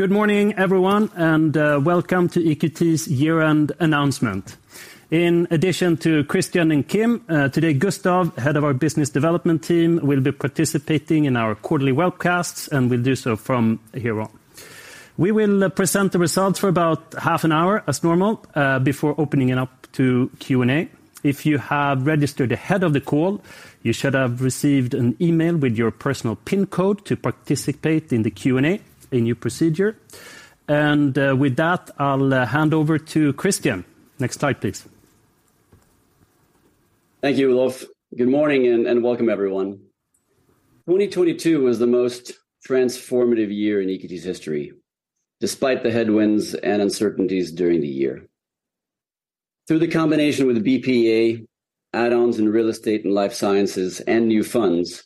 Good morning, everyone, and welcome to EQT's year-end announcement. In addition to Christian and Kim, today, Gustav, head of our business development team, will be participating in our quarterly webcasts, and will do so from here on. We will present the results for about half an hour as normal, before opening it up to Q&A. If you have registered ahead of the call, you should have received an email with your personal pin code to participate in the Q&A, a new procedure. With that, I'll hand over to Christian. Next slide, please. Thank you, Ulf. Good morning and welcome, everyone. 2022 was the most transformative year in EQT's history, despite the headwinds and uncertainties during the year. Through the combination with the BPEA, add-ons in real estate and life sciences and new funds,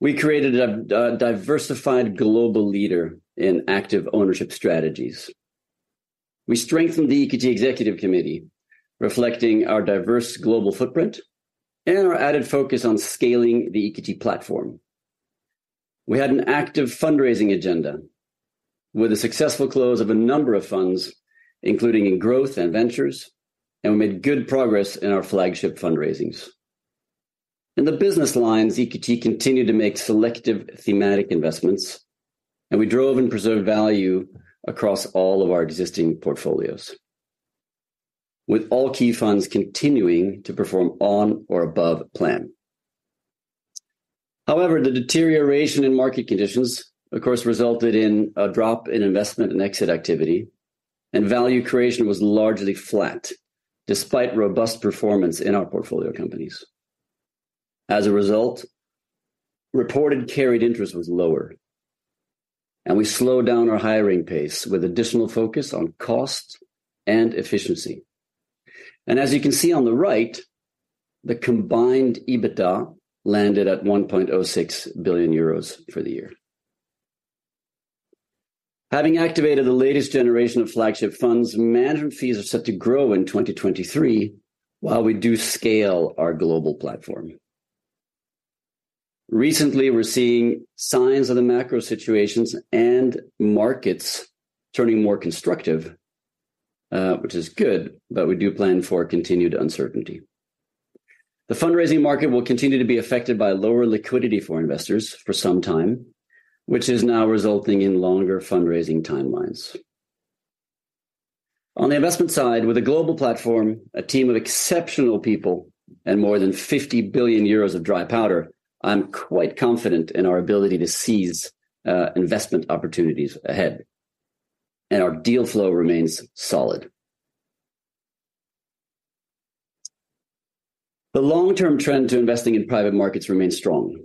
we created a diversified global leader in active ownership strategies. We strengthened the EQT Executive Committee, reflecting our diverse global footprint and our added focus on scaling the EQT platform. We had an active fundraising agenda with the successful close of a number of funds, including in EQT Growth and EQT Ventures, and we made good progress in our flagship fundraisings. In the business lines, EQT continued to make selective thematic investments, and we drove and preserved value across all of our existing portfolios, with all key funds continuing to perform on or above plan. The deterioration in market conditions, of course, resulted in a drop in investment and exit activity, value creation was largely flat despite robust performance in our portfolio companies. As a result, reported carried interest was lower, we slowed down our hiring pace with additional focus on cost and efficiency. As you can see on the right, the combined EBITDA landed at 1.06 billion euros for the year. Having activated the latest generation of flagship funds, management fees are set to grow in 2023 while we do scale our global platform. Recently, we're seeing signs of the macro situations and markets turning more constructive, which is good, we do plan for continued uncertainty. The fundraising market will continue to be affected by lower liquidity for investors for some time, which is now resulting in longer fundraising timelines. On the investment side, with a global platform, a team of exceptional people, and more than 50 billion euros of dry powder, I'm quite confident in our ability to seize investment opportunities ahead. Our deal flow remains solid. The long-term trend to investing in private markets remains strong,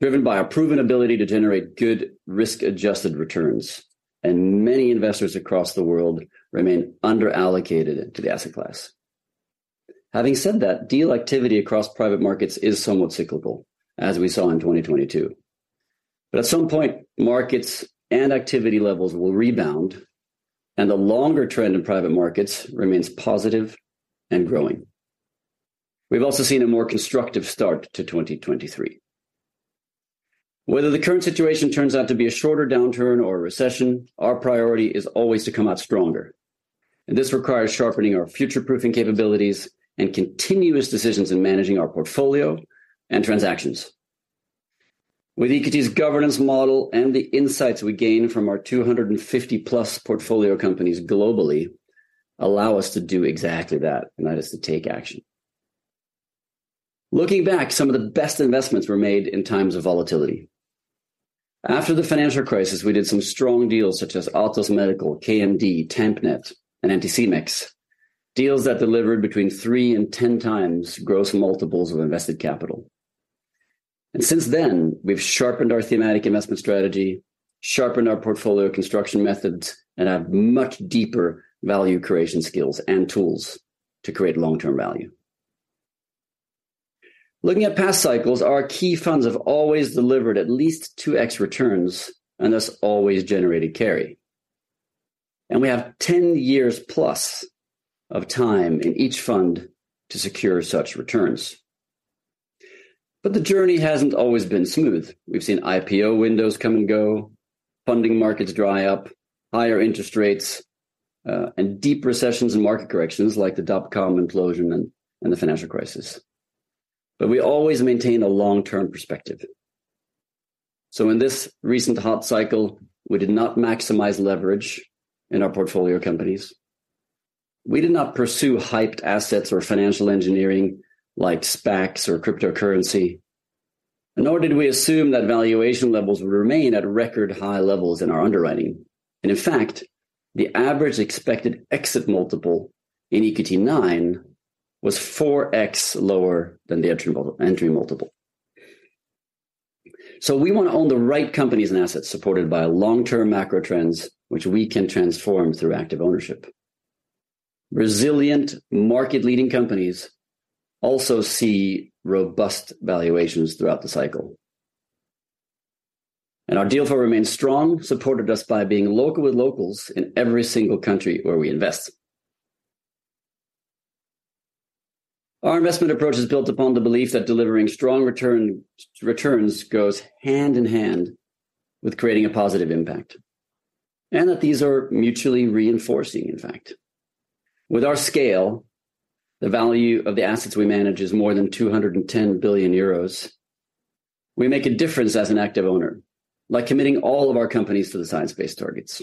driven by our proven ability to generate good risk-adjusted returns. Many investors across the world remain under-allocated to the asset class. Having said that, deal activity across private markets is somewhat cyclical, as we saw in 2022. At some point, markets and activity levels will rebound. The longer trend in private markets remains positive and growing. We've also seen a more constructive start to 2023. Whether the current situation turns out to be a shorter downturn or a recession, our priority is always to come out stronger, this requires sharpening our future-proofing capabilities and continuous decisions in managing our portfolio and transactions. With EQT's governance model, the insights we gain from our 250-plus portfolio companies globally allow us to do exactly that is to take action. Looking back, some of the best investments were made in times of volatility. After the financial crisis, we did some strong deals such as Altos Medical, KMD, Tampnet, and Anticimex, deals that delivered between three and ten times gross multiples of invested capital. Since then, we've sharpened our thematic investment strategy, sharpened our portfolio construction methods, have much deeper value creation skills and tools to create long-term value. Looking at past cycles, our key funds have always delivered at least 2x returns and thus always generated carry. We have 10 years+ of time in each fund to secure such returns. The journey hasn't always been smooth. We've seen IPO windows come and go, funding markets dry up, higher interest rates, and deep recessions and market corrections like the dot-com implosion and the financial crisis. We always maintain a long-term perspective. In this recent hot cycle, we did not maximize leverage in our portfolio companies. We did not pursue hyped assets or financial engineering like SPACs or cryptocurrency, nor did we assume that valuation levels would remain at record high levels in our underwriting. In fact, the average expected exit multiple in EQT IX was 4x lower than the entry multiple. We want to own the right companies and assets supported by long-term macro trends, which we can transform through active ownership. Resilient market-leading companies also see robust valuations throughout the cycle. Our deal flow remains strong, supported just by being local with locals in every single country where we invest. Our investment approach is built upon the belief that delivering strong returns goes hand in hand with creating a positive impact, and that these are mutually reinforcing, in fact. With our scale, the value of the assets we manage is more than 210 billion euros. We make a difference as an active owner by committing all of our companies to the Science Based Targets.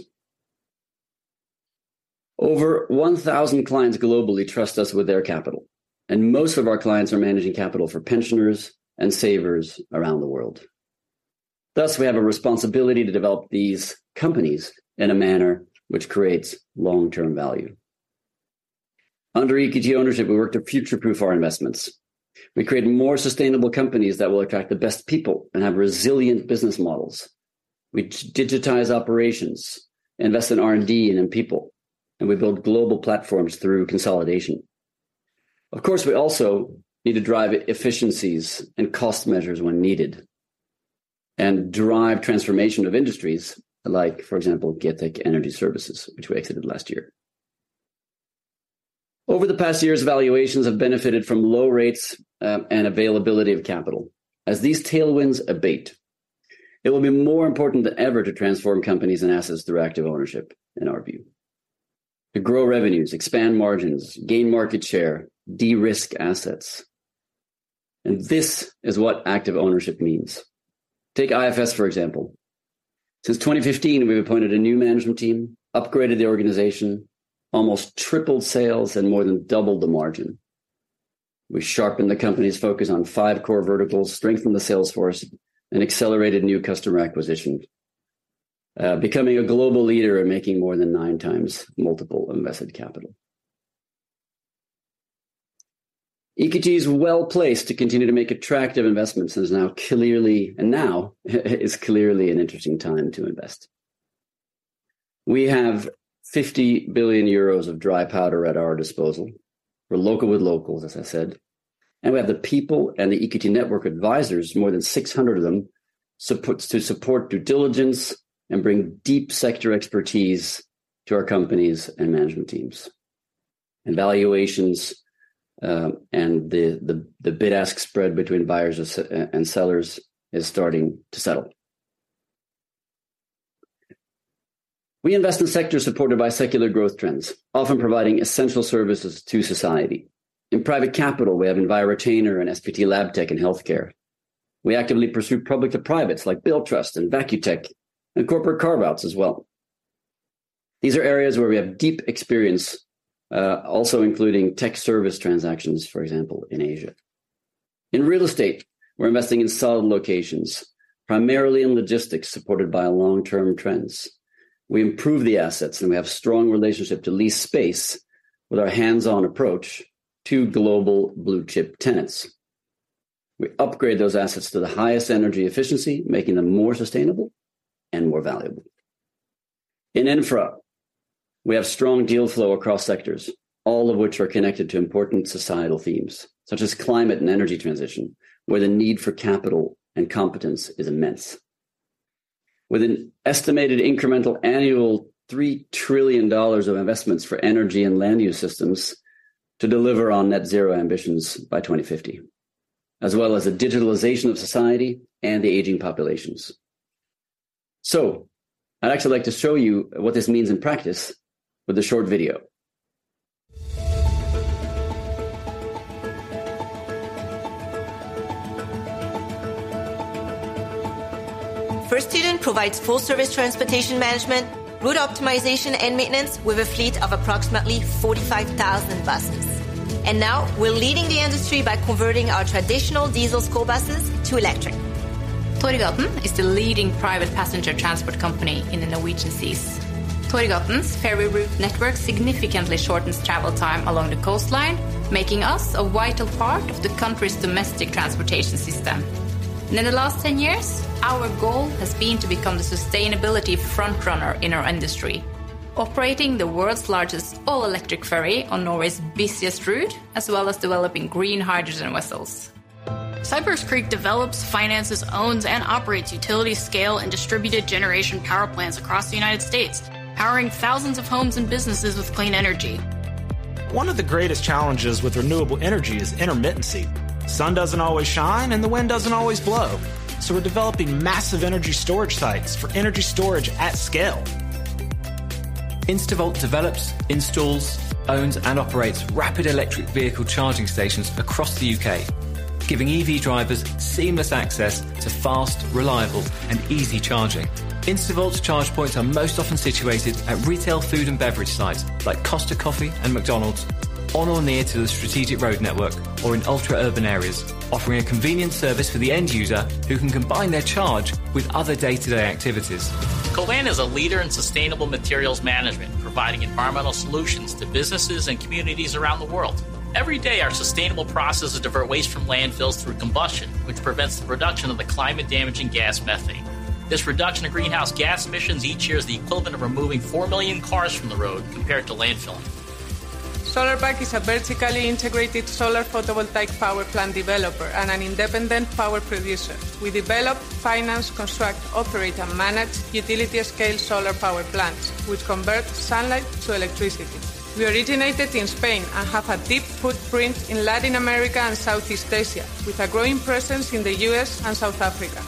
Over 1,000 clients globally trust us with their capital, and most of our clients are managing capital for pensioners and savers around the world. Thus, we have a responsibility to develop these companies in a manner which creates long-term value. Under EQT ownership, we work to future-proof our investments. We create more sustainable companies that will attract the best people and have resilient business models, which digitize operations, invest in R&D and in people, we build global platforms through consolidation. Of course, we also need to drive efficiencies and cost measures when needed and drive transformation of industries like, for example, GETEC Energy Services, which we exited last year. Over the past years, valuations have benefited from low rates and availability of capital. As these tailwinds abate, it will be more important than ever to transform companies and assets through active ownership, in our view, to grow revenues, expand margins, gain market share, de-risk assets. This is what active ownership means. Take IFS, for example. Since 2015 we've appointed a new management team, upgraded the organization, almost tripled sales and more than doubled the margin. We sharpened the company's focus on five core verticals, strengthened the sales force, and accelerated new customer acquisition, becoming a global leader and making more than nine times multiple invested capital. EQT is well-placed to continue to make attractive investments, and now is clearly an interesting time to invest. We have 50 billion euros of dry powder at our disposal. We're local with locals, as I said, and we have the people and the EQT Network Advisors, more than 600 of them, supports to support due diligence and bring deep sector expertise to our companies and management teams. Valuations, and the bid-ask spread between buyers and sellers is starting to settle. We invest in sectors supported by secular growth trends, often providing essential services to society. In private capital, we have Envirotainer and SPT Labtech in healthcare. We actively pursue public-to-private like Billtrust and va-Q-tec and corporate carve-outs as well. These are areas where we have deep experience, also including tech service transactions, for example, in Asia. In real estate, we're investing in solid locations, primarily in logistics, supported by long-term trends. We improve the assets, and we have strong relationship to lease space with our hands-on approach to global blue chip tenants. We upgrade those assets to the highest energy efficiency, making them more sustainable and more valuable. In infra, we have strong deal flow across sectors, all of which are connected to important societal themes such as climate and energy transition, where the need for capital and competence is immense. With an estimated incremental annual $3 trillion of investments for energy and land use systems to deliver on net zero ambitions by 2050, as well as the digitalization of society and the aging populations. I'd actually like to show you what this means in practice with a short video. First Student provides full service transportation management, route optimization, and maintenance with a fleet of approximately 45,000 buses. Now we're leading the industry by converting our traditional diesel school buses to electric. Torghatten is the leading private passenger transport company in the Norwegian seas. Torghatten's ferry route network significantly shortens travel time along the coastline, making us a vital part of the country's domestic transportation system. In the last 10 years, our goal has been to become the sustainability frontrunner in our industry, operating the world's largest all-electric ferry on Norway's busiest route, as well as developing green hydrogen vessels. Cypress Creek develops, finances, owns, and operates utility scale and distributed generation power plants across the United States, powering thousands of homes and businesses with clean energy. One of the greatest challenges with renewable energy is intermittency. Sun doesn't always shine and the wind doesn't always blow, so we're developing massive energy storage sites for energy storage at scale. develops, installs, owns, and operates rapid electric vehicle charging stations across the U.K., giving EV drivers seamless access to fast, reliable, and easy charging. InstaVolt's charge points are most often situated at retail food and beverage sites like Costa Coffee and McDonald's, on or near to the strategic road network or in ultra-urban areas, offering a convenient service for the end user who can combine their charge with other day-to-day activities. Covanta is a leader in sustainable materials management, providing environmental solutions to businesses and communities around the world. Every day, our sustainable processes divert waste from landfills through combustion, which prevents the reduction of the climate-damaging gas methane. This reduction of greenhouse gas emissions each year is the equivalent of removing 4 million cars from the road compared to landfill. Solarpack is a vertically integrated solar photovoltaic power plant developer and an independent power producer. We develop, finance, construct, operate, and manage utility-scale solar power plants which convert sunlight to electricity. We originated in Spain and have a deep footprint in Latin America and Southeast Asia, with a growing presence in the U.S. and South Africa.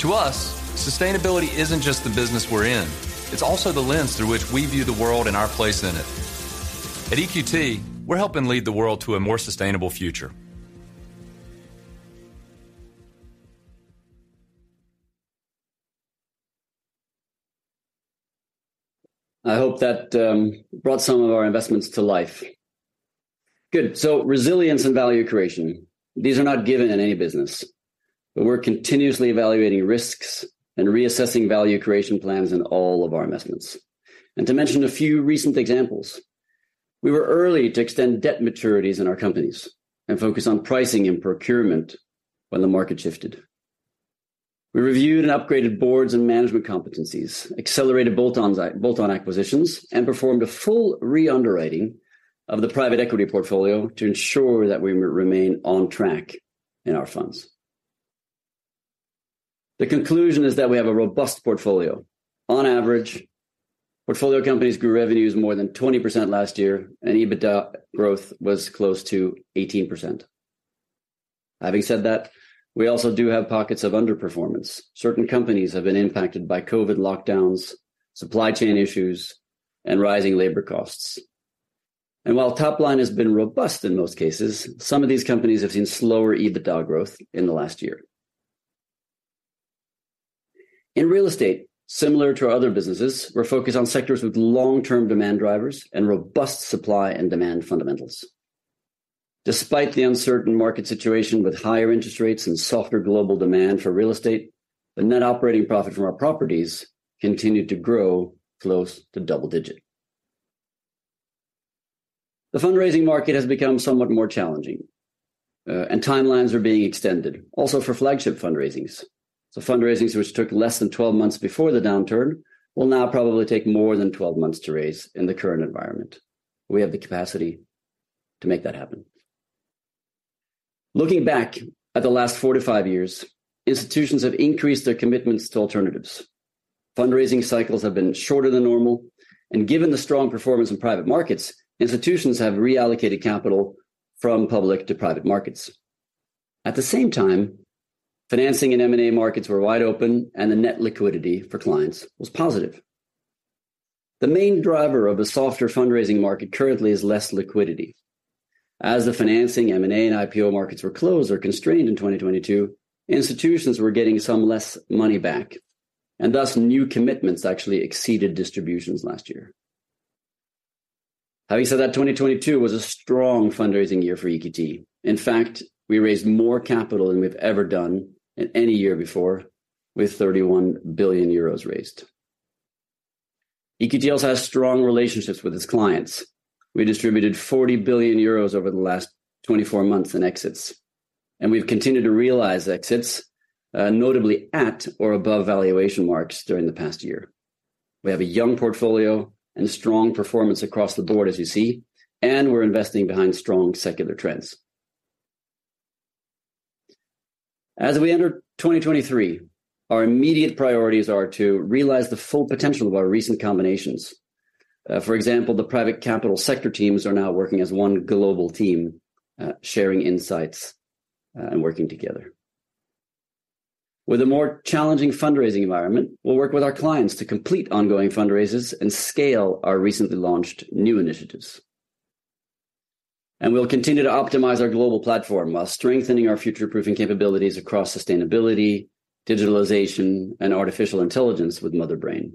To us, sustainability isn't just the business we're in, it's also the lens through which we view the world and our place in it. At EQT, we're helping lead the world to a more sustainable future. I hope that brought some of our investments to life. Good. Resilience and value creation. These are not given in any business. We're continuously evaluating risks and reassessing value creation plans in all of our investments. To mention a few recent examples, we were early to extend debt maturities in our companies and focus on pricing and procurement when the market shifted. We reviewed and upgraded boards and management competencies, accelerated bolt-on acquisitions, and performed a full re-underwriting of the private equity portfolio to ensure that we remain on track in our funds. The conclusion is that we have a robust portfolio. On average, portfolio companies grew revenues more than 20% last year, and EBITDA growth was close to 18%. Having said that, we also do have pockets of underperformance. Certain companies have been impacted by COVID lockdowns, supply chain issues, and rising labor costs. While top line has been robust in most cases, some of these companies have seen slower EBITDA growth in the last year. In real estate, similar to our other businesses, we're focused on sectors with long-term demand drivers and robust supply and demand fundamentals. Despite the uncertain market situation with higher interest rates and softer global demand for real estate, the net operating profit from our properties continued to grow close to double-digit. The fundraising market has become somewhat more challenging, and timelines are being extended, also for flagship fundraisings. Fundraisings which took less than 12 months before the downturn will now probably take more than 12 months to raise in the current environment. We have the capacity to make that happen. Looking back at the last four to five years, institutions have increased their commitments to alternatives. Given the strong performance in private markets, institutions have reallocated capital from public to private markets. At the same time, financing and M&A markets were wide open and the net liquidity for clients was positive. The main driver of the softer fundraising market currently is less liquidity. As the financing, M&A, and IPO markets were closed or constrained in 2022, institutions were getting some less money back, and thus new commitments actually exceeded distributions last year. Having said that, 2022 was a strong fundraising year for EQT. In fact, we raised more capital than we've ever done in any year before, with 31 billion euros raised. EQT also has strong relationships with its clients. We distributed 40 billion euros over the last 24 months in exits, we've continued to realize exits, notably at or above valuation marks during the past year. We have a young portfolio and strong performance across the board as you see, we're investing behind strong secular trends. As we enter 2023, our immediate priorities are to realize the full potential of our recent combinations. For example, the private capital sector teams are now working as one global team, sharing insights, and working together. With a more challenging fundraising environment, we'll work with our clients to complete ongoing fundraisers and scale our recently launched new initiatives. We'll continue to optimize our global platform while strengthening our future-proofing capabilities across sustainability, digitalization, and artificial intelligence with Motherbrain.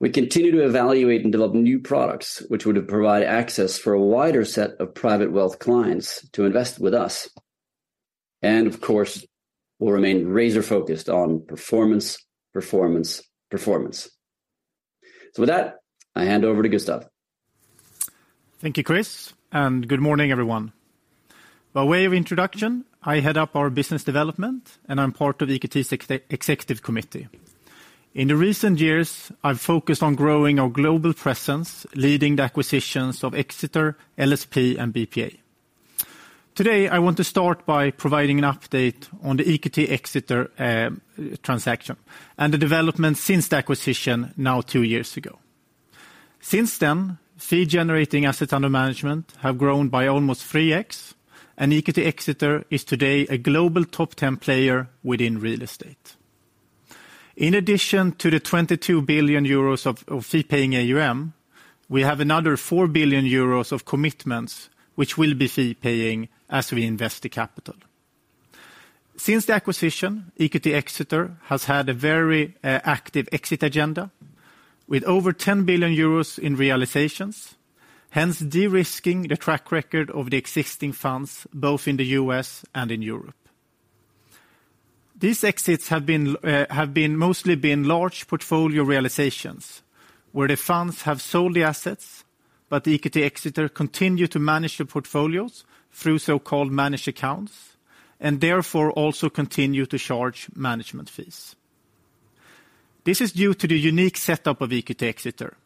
We continue to evaluate and develop new products which would provide access for a wider set of private wealth clients to invest with us. Of course, we'll remain razor-focused on performance, performance. With that, I hand over to Gustav. Thank you, Chris. Good morning, everyone. By way of introduction, I head up our business development, and I'm part of EQT's Executive Committee. In the recent years, I've focused on growing our global presence, leading the acquisitions of Exeter, LSP, and BPEA. Today, I want to start by providing an update on the EQT Exeter transaction and the development since the acquisition now two years ago. Since then, fee generating assets under management have grown by almost 3x, and EQT Exeter is today a global top 10 player within real estate. In addition to the 22 billion euros of fee-paying AUM, we have another 4 billion euros of commitments which will be fee paying as we invest the capital. Since the acquisition, EQT Exeter has had a very active exit agenda with over 10 billion euros in realizations, hence de-risking the track record of the existing funds both in the US and in Europe. These exits have mostly been large portfolio realizations, where the funds have sold the assets, EQT Exeter continue to manage the portfolios through so-called managed accounts, and therefore also continue to charge management fees. This is due to the unique setup of EQT Exeter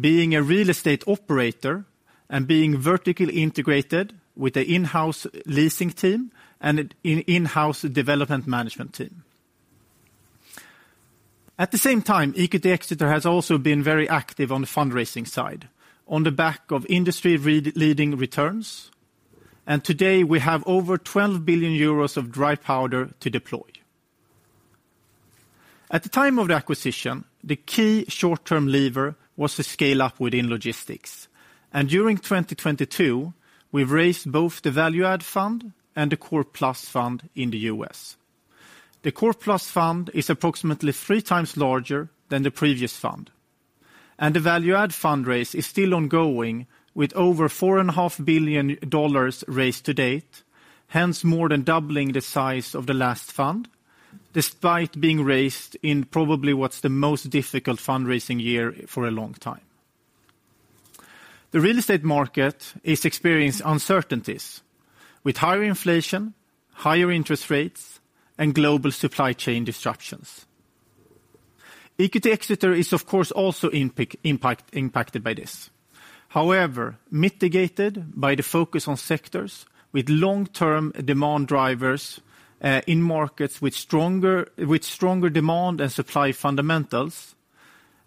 being a real estate operator and being vertically integrated with the in-house leasing team and an in-house development management team. At the same time, EQT Exeter has also been very active on the fundraising side on the back of industry leading returns. Today, we have over 12 billion euros of dry powder to deploy. At the time of the acquisition, the key short-term lever was to scale up within logistics. During 2022, we've raised both the value-add fund and the core-plus fund in the U.S. The core-plus fund is approximately three times larger than the previous fund. The value-add fundraise is still ongoing with over $4.5 billion raised to date, hence more than doubling the size of the last fund, despite being raised in probably what's the most difficult fundraising year for a long time. The real estate market is experiencing uncertainties with higher inflation, higher interest rates, and global supply chain disruptions. EQT Exeter is of course also impacted by this. Mitigated by the focus on sectors with long-term demand drivers, in markets with stronger demand and supply fundamentals,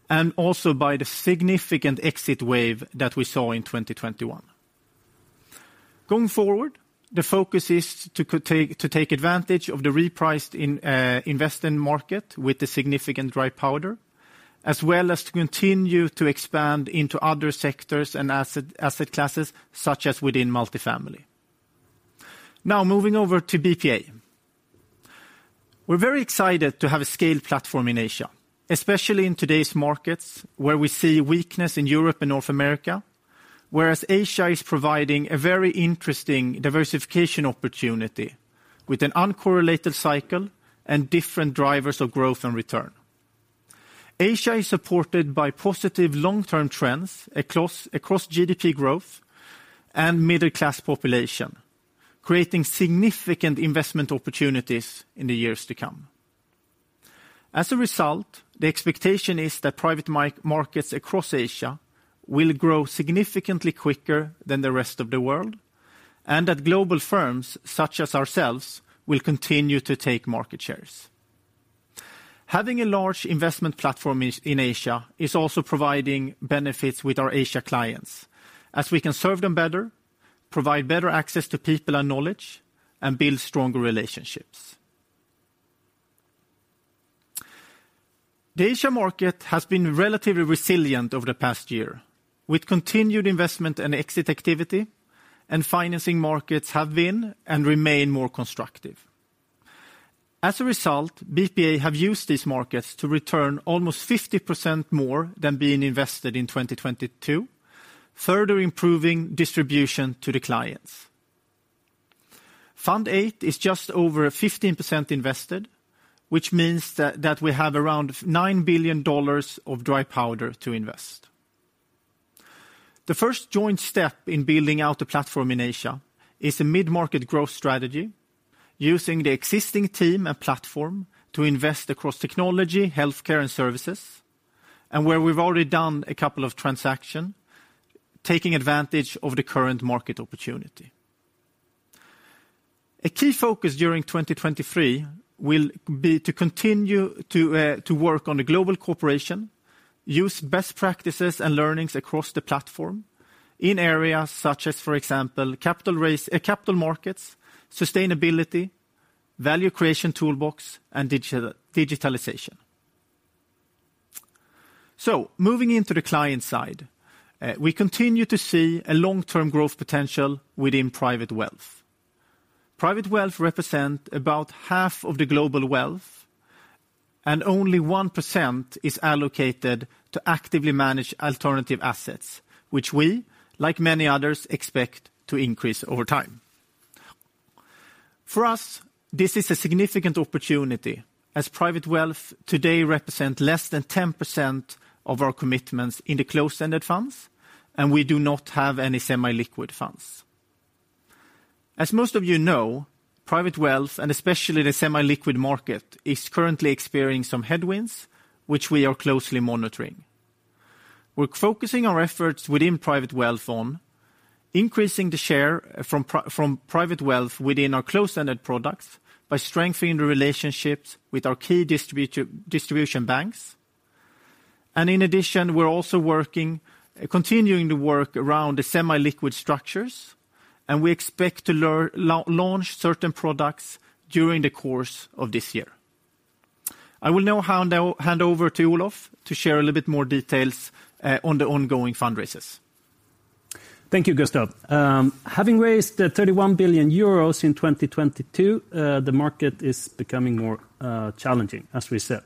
and also by the significant exit wave that we saw in 2021. Going forward, the focus is to take advantage of the repriced investment market with the significant dry powder, as well as to continue to expand into other sectors and asset classes such as within multifamily. Moving over to BPEA. We're very excited to have a scaled platform in Asia, especially in today's markets where we see weakness in Europe and North America, whereas Asia is providing a very interesting diversification opportunity with an uncorrelated cycle and different drivers of growth and return. Asia is supported by positive long-term trends across GDP growth and middle class population, creating significant investment opportunities in the years to come. As a result, the expectation is that private markets across Asia will grow significantly quicker than the rest of the world and that global firms such as ourselves will continue to take market shares. Having a large investment platform in Asia is also providing benefits with our Asia clients, as we can serve them better, provide better access to people and knowledge, and build stronger relationships. The Asia market has been relatively resilient over the past year with continued investment and exit activity, and financing markets have been and remain more constructive. As a result, BPEA have used these markets to return almost 50% more than being invested in 2022, further improving distribution to the clients. Fund VIII is just over 15% invested, which means that we have around $9 billion of dry powder to invest. The first joint step in building out a platform in Asia is a mid-market growth strategy using the existing team and platform to invest across technology, healthcare, and services, and where we've already done a couple of transaction, taking advantage of the current market opportunity. A key focus during 2023 will be to continue to work on the global corporation, use best practices and learnings across the platform in areas such as, for example, capital markets, sustainability, value creation toolbox, and digitalization. Moving into the client side, we continue to see a long-term growth potential within private wealth. Private wealth represent about half of the global wealth and only 1% is allocated to actively manage alternative assets which we, like many others, expect to increase over time. For us, this is a significant opportunity as private wealth today represent less than 10% of our commitments in the closed-ended funds, and we do not have any semi-liquid funds. As most of you know, private wealth, and especially the semi-liquid market, is currently experiencing some headwinds which we are closely monitoring. We're focusing our efforts within private wealth on increasing the share from private wealth within our closed-ended products by strengthening the relationships with our key distribution banks. In addition, we're also working, continuing to work around the semi-liquid structures, and we expect to launch certain products during the course of this year. I will now hand over to Olof to share a little bit more details on the ongoing fundraisers. Thank you, Gustav. Having raised 31 billion euros in 2022, the market is becoming more challenging, as we said.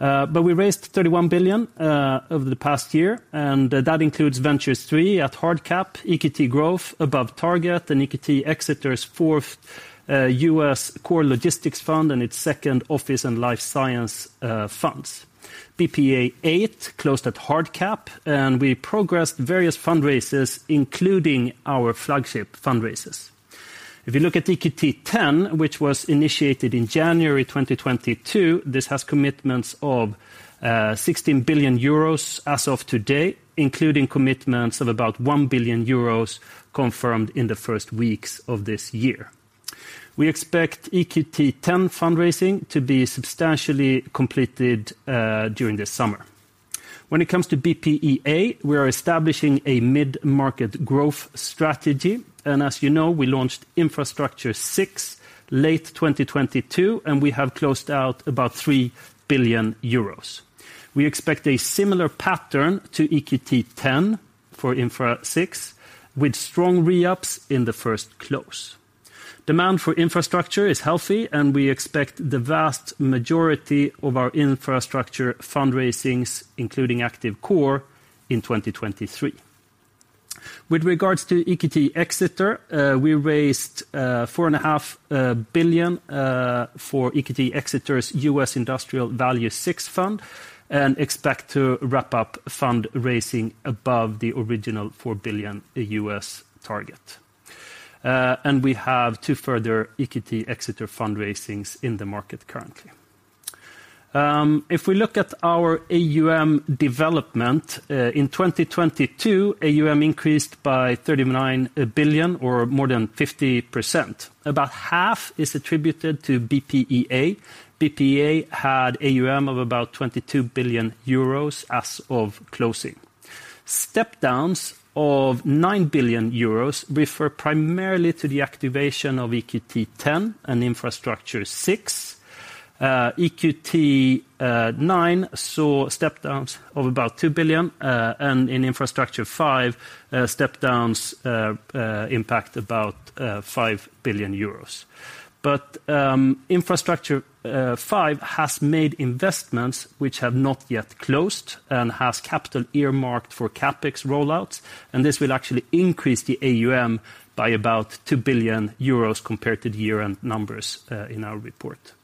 We raised 31 billion over the past year, and that includes Ventures III at hard cap, EQT Growth above target, and EQT Exeter's 4th US core logistics fund and its 2nd office and life science funds. BPEA 8 closed at hard cap, and we progressed various fundraisers including our flagship fundraisers. If you look at EQT Ten, which was initiated in January 2022, this has commitments of 16 billion euros as of today, including commitments of about 1 billion euros confirmed in the first weeks of this year. We expect EQT Ten fundraising to be substantially completed during the summer. When it comes to BPEA, we are establishing a mid-market growth strategy. As you know, we launched Infrastructure VI late 2022, and we have closed out about 3 billion euros. We expect a similar pattern to EQT X for Infra VI, with strong re-ups in the first close. Demand for infrastructure is healthy, and we expect the vast majority of our infrastructure fundraisings, including Active Core, in 2023. With regards to EQT Exeter, we raised $4.5 billion for EQT Exeter's US Industrial Value VI fund and expect to wrap up fund raising above the original $4 billion US target. We have two further EQT Exeter fundraisings in the market currently. If we look at our AUM development in 2022, AUM increased by $39 billion, or more than 50%. About half is attributed to BPEA. BPEA had AUM of about 22 billion euros as of closing. Step-downs of 9 billion euros refer primarily to the activation of EQT X and Infrastructure VI. EQT IX saw step-downs of about EUR 2 billion, and in Infrastructure V, step-downs impact about 5 billion euros. Infrastructure V has made investments which have not yet closed and has capital earmarked for CapEx rollouts, and this will actually increase the AUM by about 2 billion euros compared to the year-end numbers in our report.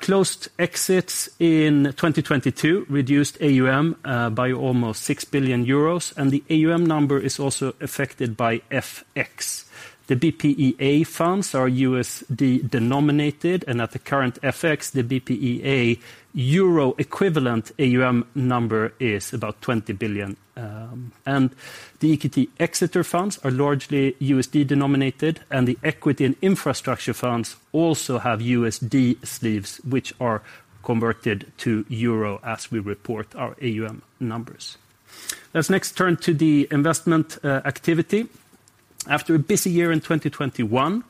Closed exits in 2022 reduced AUM by almost 6 billion euros, and the AUM number is also affected by FX. The BPEA funds are USD-denominated, and at the current FX, the BPEA euro equivalent AUM number is about 20 billion. The EQT Exeter funds are largely USD-denomi nated, and the equity and infrastructure funds also have USD sleeves, which are converted to euro as we report our AUM numbers. Let's next turn to the investment activity. After a busy year in 2021,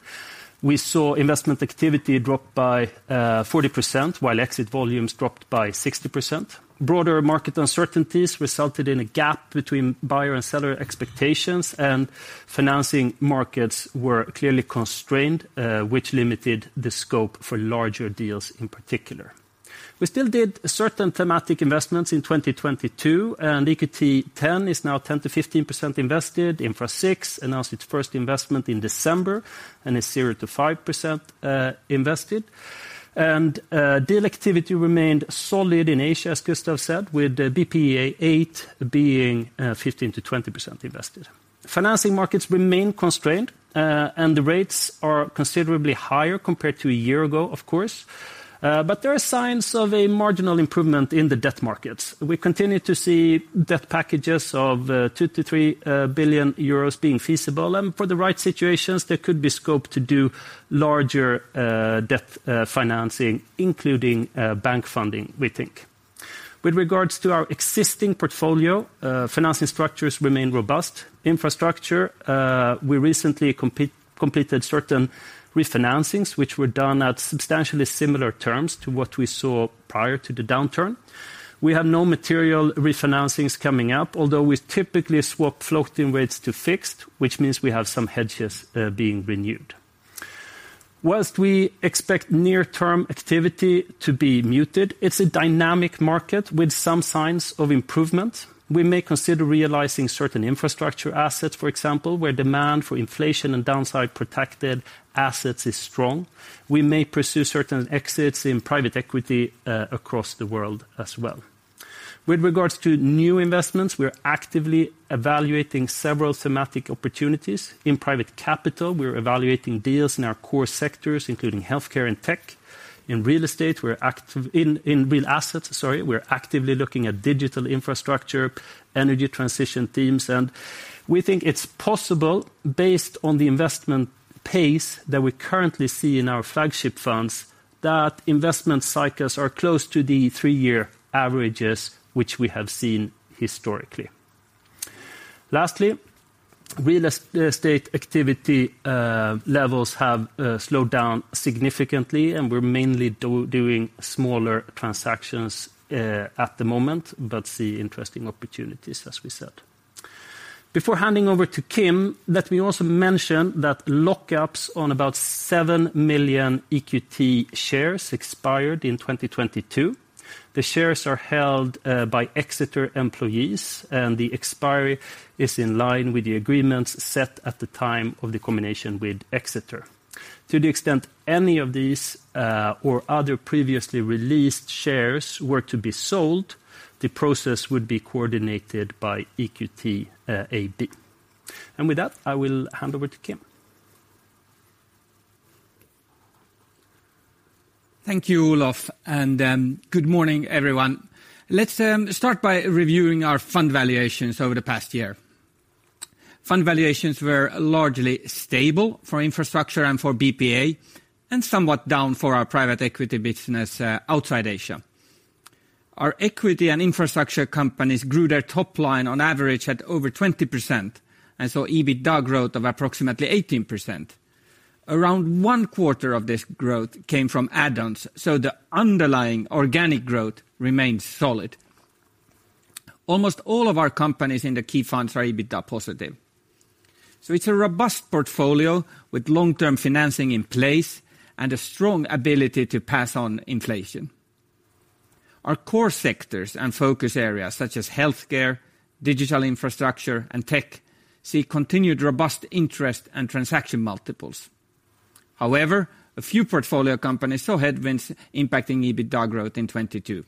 we saw investment activity drop by 40%, while exit volumes dropped by 60%. Broader market uncertainties resulted in a gap between buyer and seller expectations, and financing markets were clearly constrained, which limited the scope for larger deals in particular. We still did certain thematic investments in 2022, and EQT X is now 10%-15% invested. Infra six announced its first investment in December and is 0%-5% invested. Deal activity remained solid in Asia, as Gustav said, with BPEA eight being 15%-20% invested. Financing markets remain constrained, the rates are considerably higher compared to a year ago, of course. There are signs of a marginal improvement in the debt markets. We continue to see debt packages of 2 to 3 billion euros being feasible, and for the right situations, there could be scope to do larger debt financing, including bank funding, we think. With regards to our existing portfolio, financing structures remain robust. Infrastructure, we recently completed certain refinancings which were done at substantially similar terms to what we saw prior to the downturn. We have no material refinancings coming up, although we typically swap floating rates to fixed, which means we have some hedges being renewed. Whilst we expect near-term activity to be muted, it's a dynamic market with some signs of improvement. We may consider realizing certain infrastructure assets, for example, where demand for inflation and downside-protected assets is strong. We may pursue certain exits in private equity across the world as well. With regards to new investments, we're actively evaluating several thematic opportunities. In private capital, we're evaluating deals in our core sectors, including healthcare and tech. In real estate, in real assets, sorry, we're actively looking at digital infrastructure, energy transition themes, and we think it's possible, based on the investment pace that we currently see in our flagship funds, that investment cycles are close to the three-year averages which we have seen historically. Lastly, real estate activity levels have slowed down significantly, and we're mainly doing smaller transactions at the moment, but see interesting opportunities, as we said. Before handing over to Kim, let me also mention that lock-ups on about 7 million EQT shares expired in 2022. The shares are held by Exeter employees. The expiry is in line with the agreements set at the time of the combination with Exeter. To the extent any of these or other previously released shares were to be sold, the process would be coordinated by EQT AB. With that, I will hand over to Kim. Thank you, Olof. Good morning, everyone. Let's start by reviewing our fund valuations over the past year. Fund valuations were largely stable for infrastructure and for BPEA, somewhat down for our private equity business outside Asia. Our equity and infrastructure companies grew their top line on average at over 20%, saw EBITDA growth of approximately 18%. Around one quarter of this growth came from add-ons, the underlying organic growth remains solid. Almost all of our companies in the key funds are EBITDA positive. It's a robust portfolio with long-term financing in place and a strong ability to pass on inflation. Our core sectors and focus areas such as healthcare, digital infrastructure, and tech see continued robust interest and transaction multiples. However, a few portfolio companies saw headwinds impacting EBITDA growth in 2022.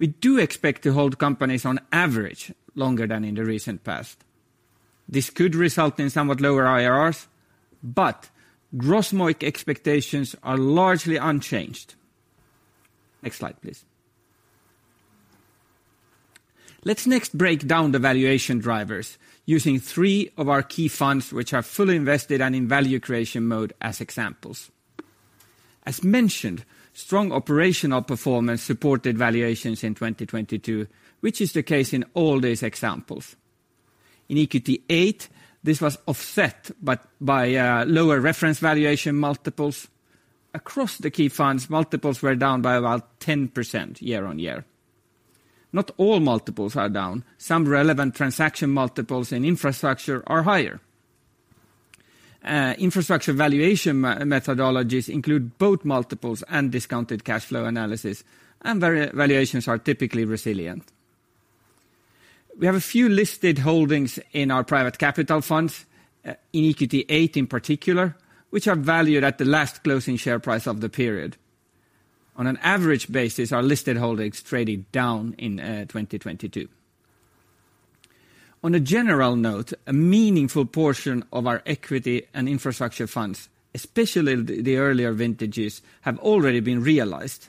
We do expect to hold companies on average longer than in the recent past. This could result in somewhat lower IRRs, but gross MOIC expectations are largely unchanged. Next slide, please. Let's next break down the valuation drivers using three of our key funds which are fully invested and in value creation mode as examples. As mentioned, strong operational performance supported valuations in 2022, which is the case in all these examples. In EQT VIII, this was offset by lower reference valuation multiples. Across the key funds, multiples were down by about 10% year-on-year. Not all multiples are down. Some relevant transaction multiples in infrastructure are higher. Infrastructure valuation methodologies include both multiples and discounted cash flow analysis, and valuations are typically resilient. We have a few listed holdings in our private capital funds, in EQT VIII in particular, which are valued at the last closing share price of the period. On an average basis, our listed holdings traded down in 2022. On a general note, a meaningful portion of our equity and infrastructure funds, especially the earlier vintages, have already been realized.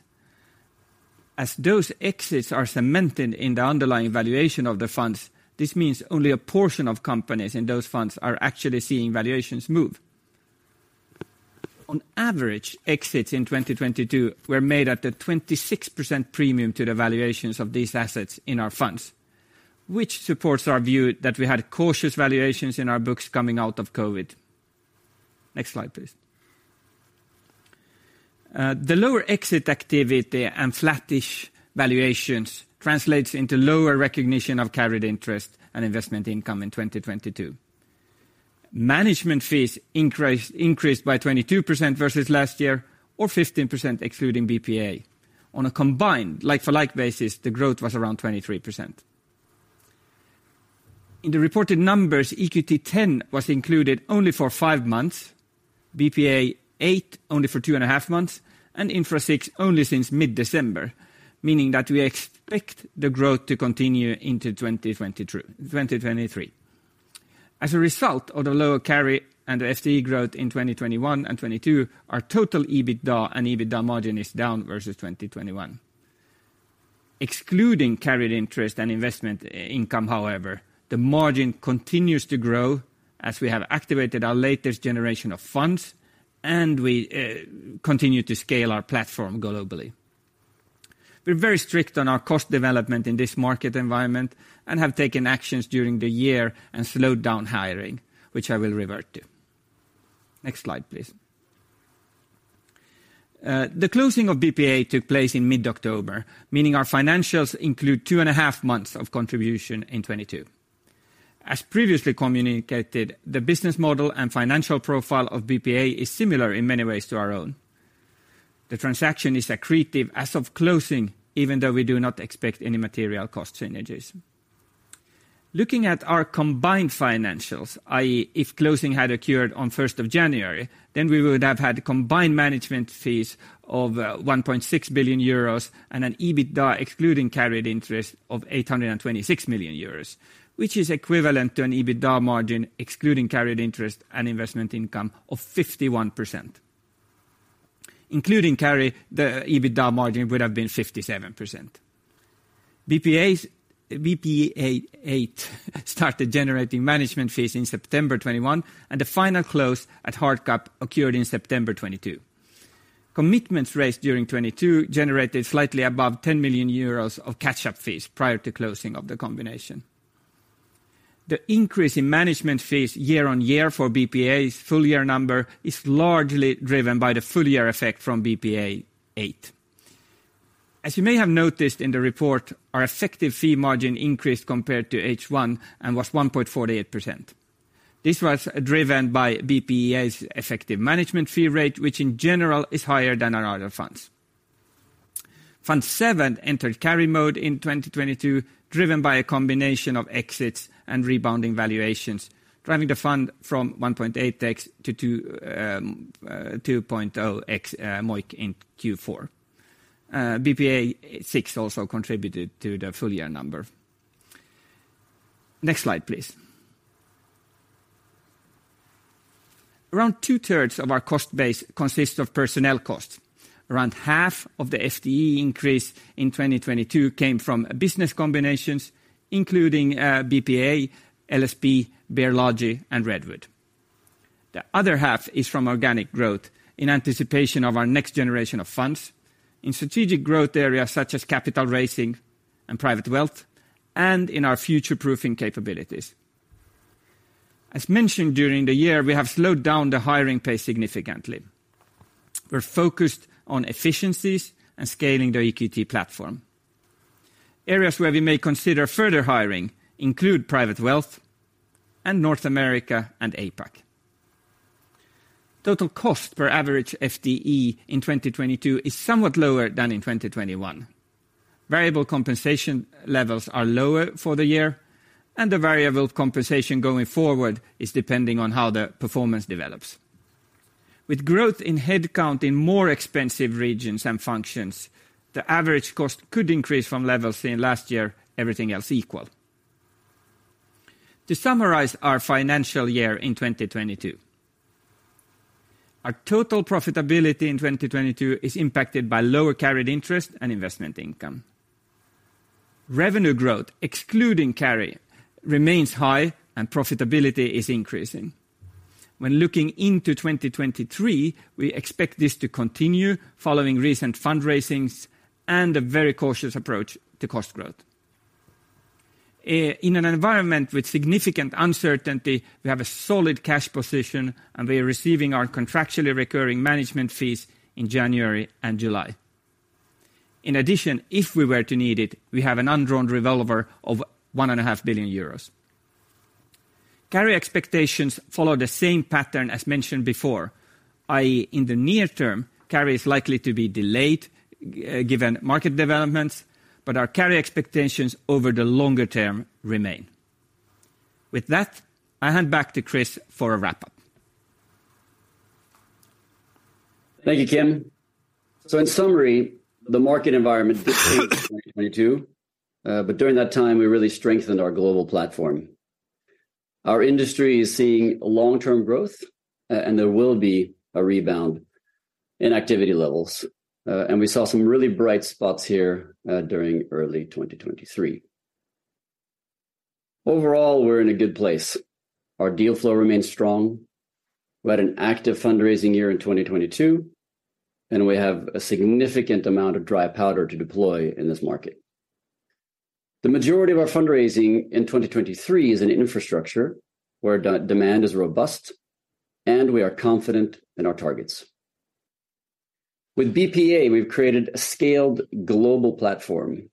As those exits are cemented in the underlying valuation of the funds, this means only a portion of companies in those funds are actually seeing valuations move. On average, exits in 2022 were made at a 26% premium to the valuations of these assets in our funds, which supports our view that we had cautious valuations in our books coming out of COVID. Next slide, please. The lower exit activity and flattish valuations translates into lower recognition of carried interest and investment income in 2022. Management fees increased by 22% versus last year or 15% excluding BPEA. On a combined like-for-like basis, the growth was around 23%. In the reported numbers, Equity ten was included only for five months, BPEA eight only for two and a half months, and Infra six only since mid-December, meaning that we expect the growth to continue into 2023. As a result of the lower carry and the FTE growth in 2021 and 22, our total EBITDA and EBITDA margin is down versus 2021. Excluding carried interest and investment income, however, the margin continues to grow as we have activated our latest generation of funds and we continue to scale our platform globally. We're very strict on our cost development in this market environment and have taken actions during the year and slowed down hiring, which I will revert to. Next slide, please. The closing of BPEA took place in mid-October, meaning our financials include two and a half months of contribution in 22. As previously communicated, the business model and financial profile of BPEA is similar in many ways to our own. The transaction is accretive as of closing, even though we do not expect any material cost synergies. Looking at our combined financials, i.e., if closing had occurred on first of January, then we would have had combined management fees of 1.6 billion euros and an EBITDA excluding carried interest of 826 million euros, which is equivalent to an EBITDA margin excluding carried interest and investment income of 51%. Including carry, the EBITDA margin would have been 57%. BPEA 8 started generating management fees in September 2021, and the final close at Hardcap occurred in September 2022. Commitments raised during 2022 generated slightly above 10 million euros of catch-up fees prior to closing of the combination. The increase in management fees year-over-year for BPEA's full year number is largely driven by the full year effect from BPEA 8. As you may have noticed in the report, our effective fee margin increased compared to H-one and was 1.48%. This was driven by BPEA's effective management fee rate, which in general is higher than our other funds. Fund seven entered carry mode in 2022, driven by a combination of exits and rebounding valuations, driving the fund from 1.8x to 2.0x MOIC in Q4. BPEA VI also contributed to the full year number. Next slide, please. Around two thirds of our cost base consists of personnel costs. Around half of the FTE increase in 2022 came from business combinations, including BPEA, LSP, Bear Loggy and Redwood. The other half is from organic growth in anticipation of our next generation of funds in strategic growth areas such as capital raising and private wealth and in our future proofing capabilities. As mentioned, during the year, we have slowed down the hiring pace significantly. We're focused on efficiencies and scaling the EQT platform. Areas where we may consider further hiring include private wealth and North America and APAC. Total cost per average FTE in 2022 is somewhat lower than in 2021. Variable compensation levels are lower for the year. The variable compensation going forward is depending on how the performance develops. With growth in headcount in more expensive regions and functions, the average cost could increase from levels in last year, everything else equal. To summarize our financial year in 2022, our total profitability in 2022 is impacted by lower carried interest and investment income. Revenue growth, excluding carry, remains high and profitability is increasing. Looking into 2023, we expect this to continue following recent fundraisings and a very cautious approach to cost growth. In an environment with significant uncertainty, we have a solid cash position and we are receiving our contractually recurring management fees in January and July. In addition, if we were to need it, we have an undrawn revolver of 1.5 billion euros. Carry expectations follow the same pattern as mentioned before, i.e., in the near term, carry is likely to be delayed, given market developments, but our carry expectations over the longer term remain. With that, I hand back to Chris for a wrap-up. Thank you, Kim. In summary, the market environment in 2022, but during that time, we really strengthened our global platform. Our industry is seeing long-term growth, there will be a rebound in activity levels. We saw some really bright spots here during early 2023. Overall, we're in a good place. Our deal flow remains strong. We had an active fundraising year in 2022, we have a significant amount of dry powder to deploy in this market. The majority of our fundraising in 2023 is in infrastructure, where demand is robust, we are confident in our targets. With BPEA, we've created a scaled global platform,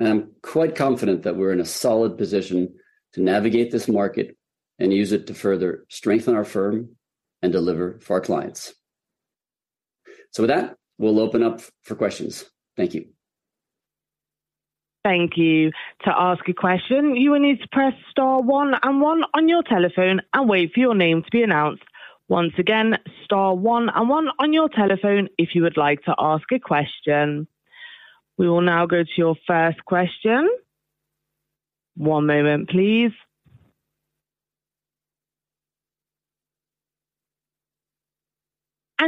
I'm quite confident that we're in a solid position to navigate this market and use it to further strengthen our firm and deliver for our clients. With that, we'll open up for questions. Thank you. Thank you. To ask a question, you will need to press star one and one on your telephone and wait for your name to be announced. Once again, star one and one on your telephone if you would like to ask a question. We will now go to your first question. One moment, please.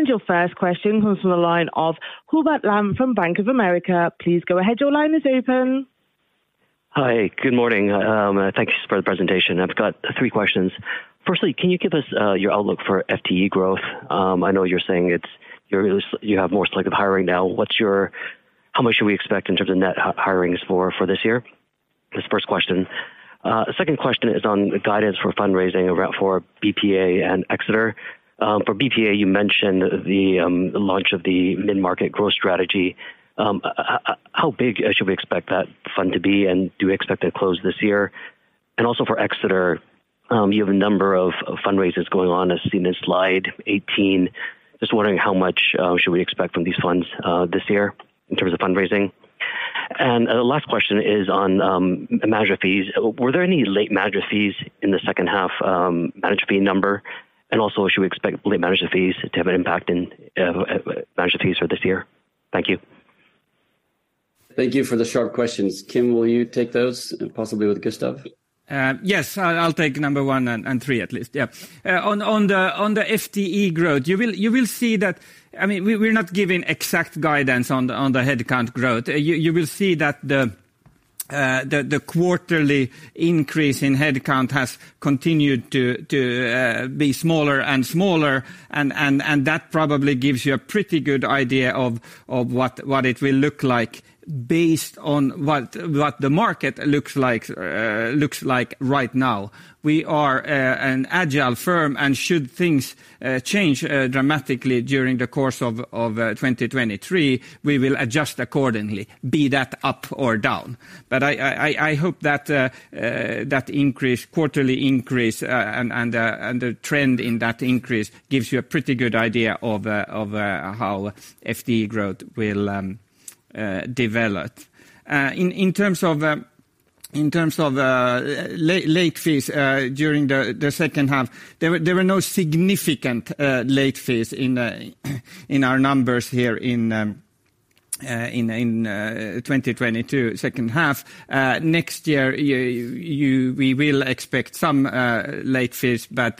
Your first question comes from the line of Hubert Lam from Bank of America. Please go ahead. Your line is open. Hi, good morning. Thank you for the presentation. I've got three questions. Firstly, can you give us your outlook for FTE growth? I know you're saying you have more selective hiring now. How much should we expect in terms of net hirings for this year? That's the first question. Second question is on guidance for fundraising for BPEA and Exeter. For BPEA, you mentioned the launch of the mid-market growth strategy. How big should we expect that fund to be, and do we expect it to close this year? Also for Exeter, you have a number of fundraisers going on as seen in slide 18. Just wondering how much should we expect from these funds this year in terms of fundraising? The last question is on manager fees. Were there any late manager fees in the second half manager fee number? Should we expect late manager fees to have an impact in manager fees for this year? Thank you. Thank you for the sharp questions. Kim, will you take those and possibly with Gustav? Yes. I'll take number one and three at least. On the FTE growth, you will see that I mean, we're not giving exact guidance on the headcount growth. You will see that the quarterly increase in headcount has continued to be smaller and smaller, and that probably gives you a pretty good idea of what it will look like based on what the market looks like right now. We are an agile firm, and should things change dramatically during the course of 2023, we will adjust accordingly, be that up or down. I hope that quarterly increase and the trend in that increase gives you a pretty good idea of how FTE growth will develop. In terms of late fees during the second half, there were no significant late fees in our numbers here in. In 2022 second half. Next year we will expect some late fees, but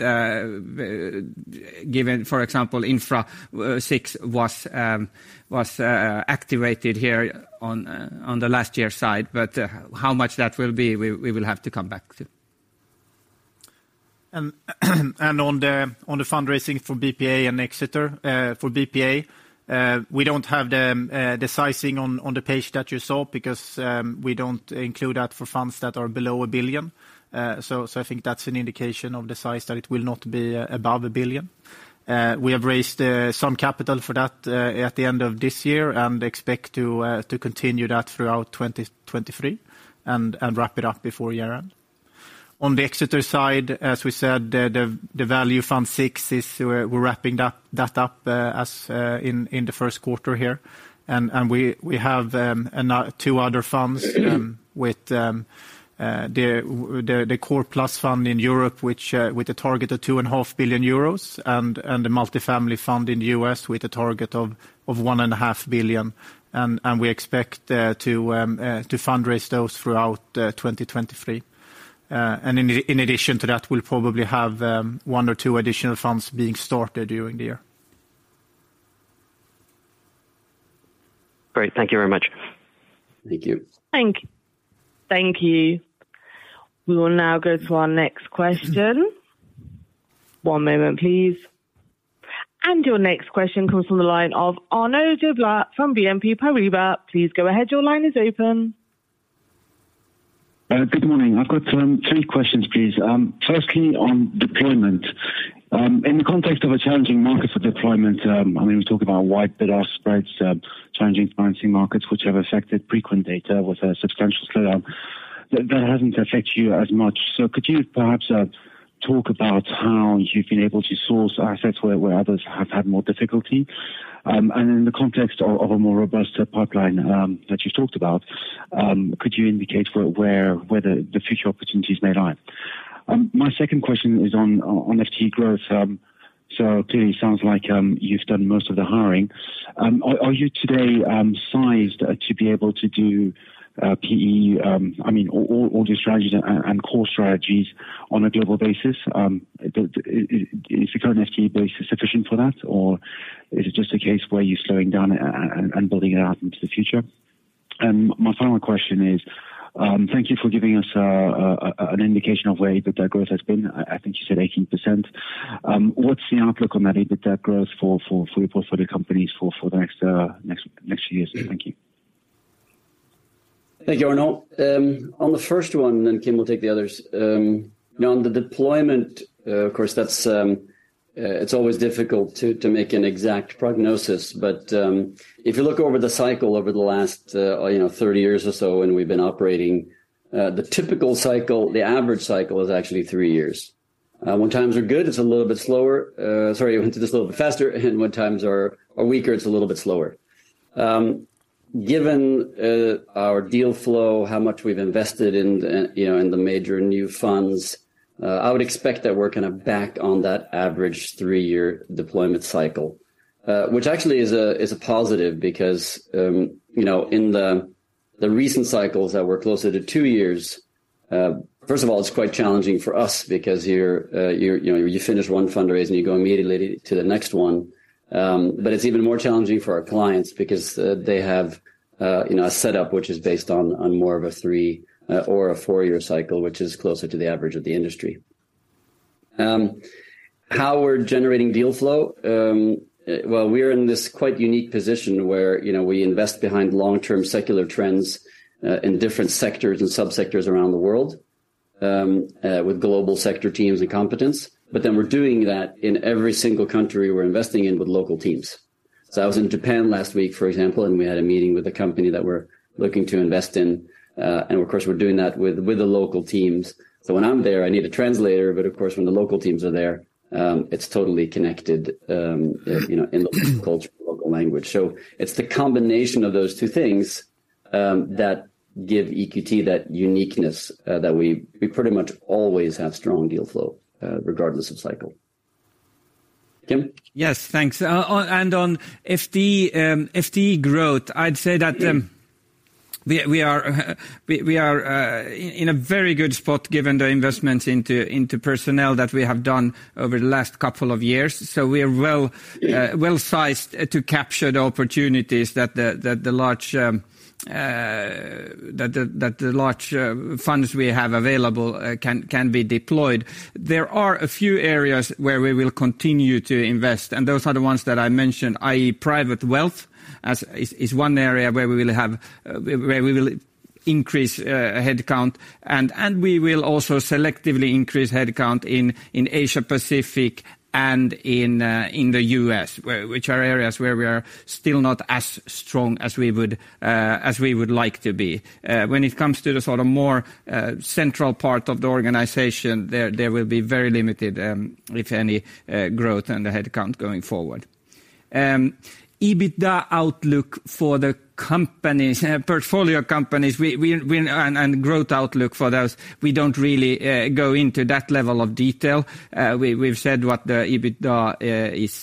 given, for example Infra VI was activated here on the last year's side, but how much that will be, we will have to come back to. On the fundraising for BPEA and Exeter. For BPEA, we don't have the sizing on the page that you saw because we don't include that for funds that are below $1 billion. So I think that's an indication of the size that it will not be above $1 billion. We have raised some capital for that at the end of this year and expect to continue that throughout 2023 and wrap it up before year-end. On the Exeter side, as we said, the Value Fund VI is we're wrapping that up as in the first quarter here. We have two other funds with the Core Plus fund in Europe which with the target of 2.5 billion euros and the multifamily fund in the U.S. with a target of 1.5 billion. We expect to fundraise those throughout 2023. In addition to that we'll probably have one or two additional funds being started during the year. Great. Thank you very much. Thank you. Thank you. We will now go to our next question. One moment, please. Your next question comes from the line of Arnaud Giblat from BNP Paribas. Please go ahead. Your line is open. Good morning. I've got three questions, please. Firstly on deployment. In the context of a challenging market for deployment, I mean, we talk about wide bid-ask spreads, challenging financing markets which have affected frequent data with a substantial slowdown that hasn't affected you as much. Could you perhaps talk about how you've been able to source assets where others have had more difficulty? In the context of a more robust pipeline that you talked about, could you indicate where the future opportunities may lie? My second question is on FTE growth. Clearly it sounds like you've done most of the hiring. Are you today sized to be able to do PE, all your strategies and core strategies on a global basis? Is your current FT base sufficient for that, or is it just a case where you're slowing down and building it out into the future? My final question is, thank you for giving us an indication of where EBITDA growth has been. I think you said 18%. What's the outlook on that EBITDA growth for portfolio companies for the next years? Thank you. Thank you, Arno. On the first one, and then Kim will take the others. Now on the deployment, of course it's always difficult to make an exact prognosis. If you look over the cycle over the last, you know, 30 years or so when we've been operating, the typical cycle, the average cycle is actually three years. When times are good, it's a little bit slower. Sorry, just a little bit faster, and when times are weaker, it's a little bit slower. Given our deal flow, how much we've invested in, you know, in the major new funds, I would expect that we're gonna back on that average three year deployment cycle. Which actually is a positive because, you know, in the recent cycles that were closer to two years, first of all, it's quite challenging for us because you're, you know, you finish one fundraise and you go immediately to the next one. It's even more challenging for our clients because they have, you know, a setup which is based on more of a three or a four year cycle, which is closer to the average of the industry. How we're generating deal flow. Well, we're in this quite unique position where, you know, we invest behind long-term secular trends in different sectors and subsectors around the world with global sector teams and competence. We're doing that in every single country we're investing in with local teams. I was in Japan last week, for example, and we had a meeting with a company that we're looking to invest in, and of course, we're doing that with the local teams. When I'm there, I need a translator, but of course, when the local teams are there, it's totally connected, you know, in local culture, local language. It's the combination of those two things that give EQT that uniqueness that we pretty much always have strong deal flow regardless of cycle. Kim? Yes, thanks. On and on FD growth, I'd say that we are in a very good spot given the investments into personnel that we have done over the last couple of years. We are well, well sized to capture the opportunities that the large funds we have available can be deployed. There are a few areas where we will continue to invest, and those are the ones that I mentioned, i.e., private wealth is one area where we will have where we will increase headcount. We will also selectively increase headcount in Asia-Pacific and in the U.S., which are areas where we are still not as strong as we would as we would like to be. When it comes to the sort of more central part of the organization, there will be very limited, if any, growth in the headcount going forward. EBITDA outlook for the companies, portfolio companies. Growth outlook for those, we don't really go into that level of detail. We've said what the EBITDA is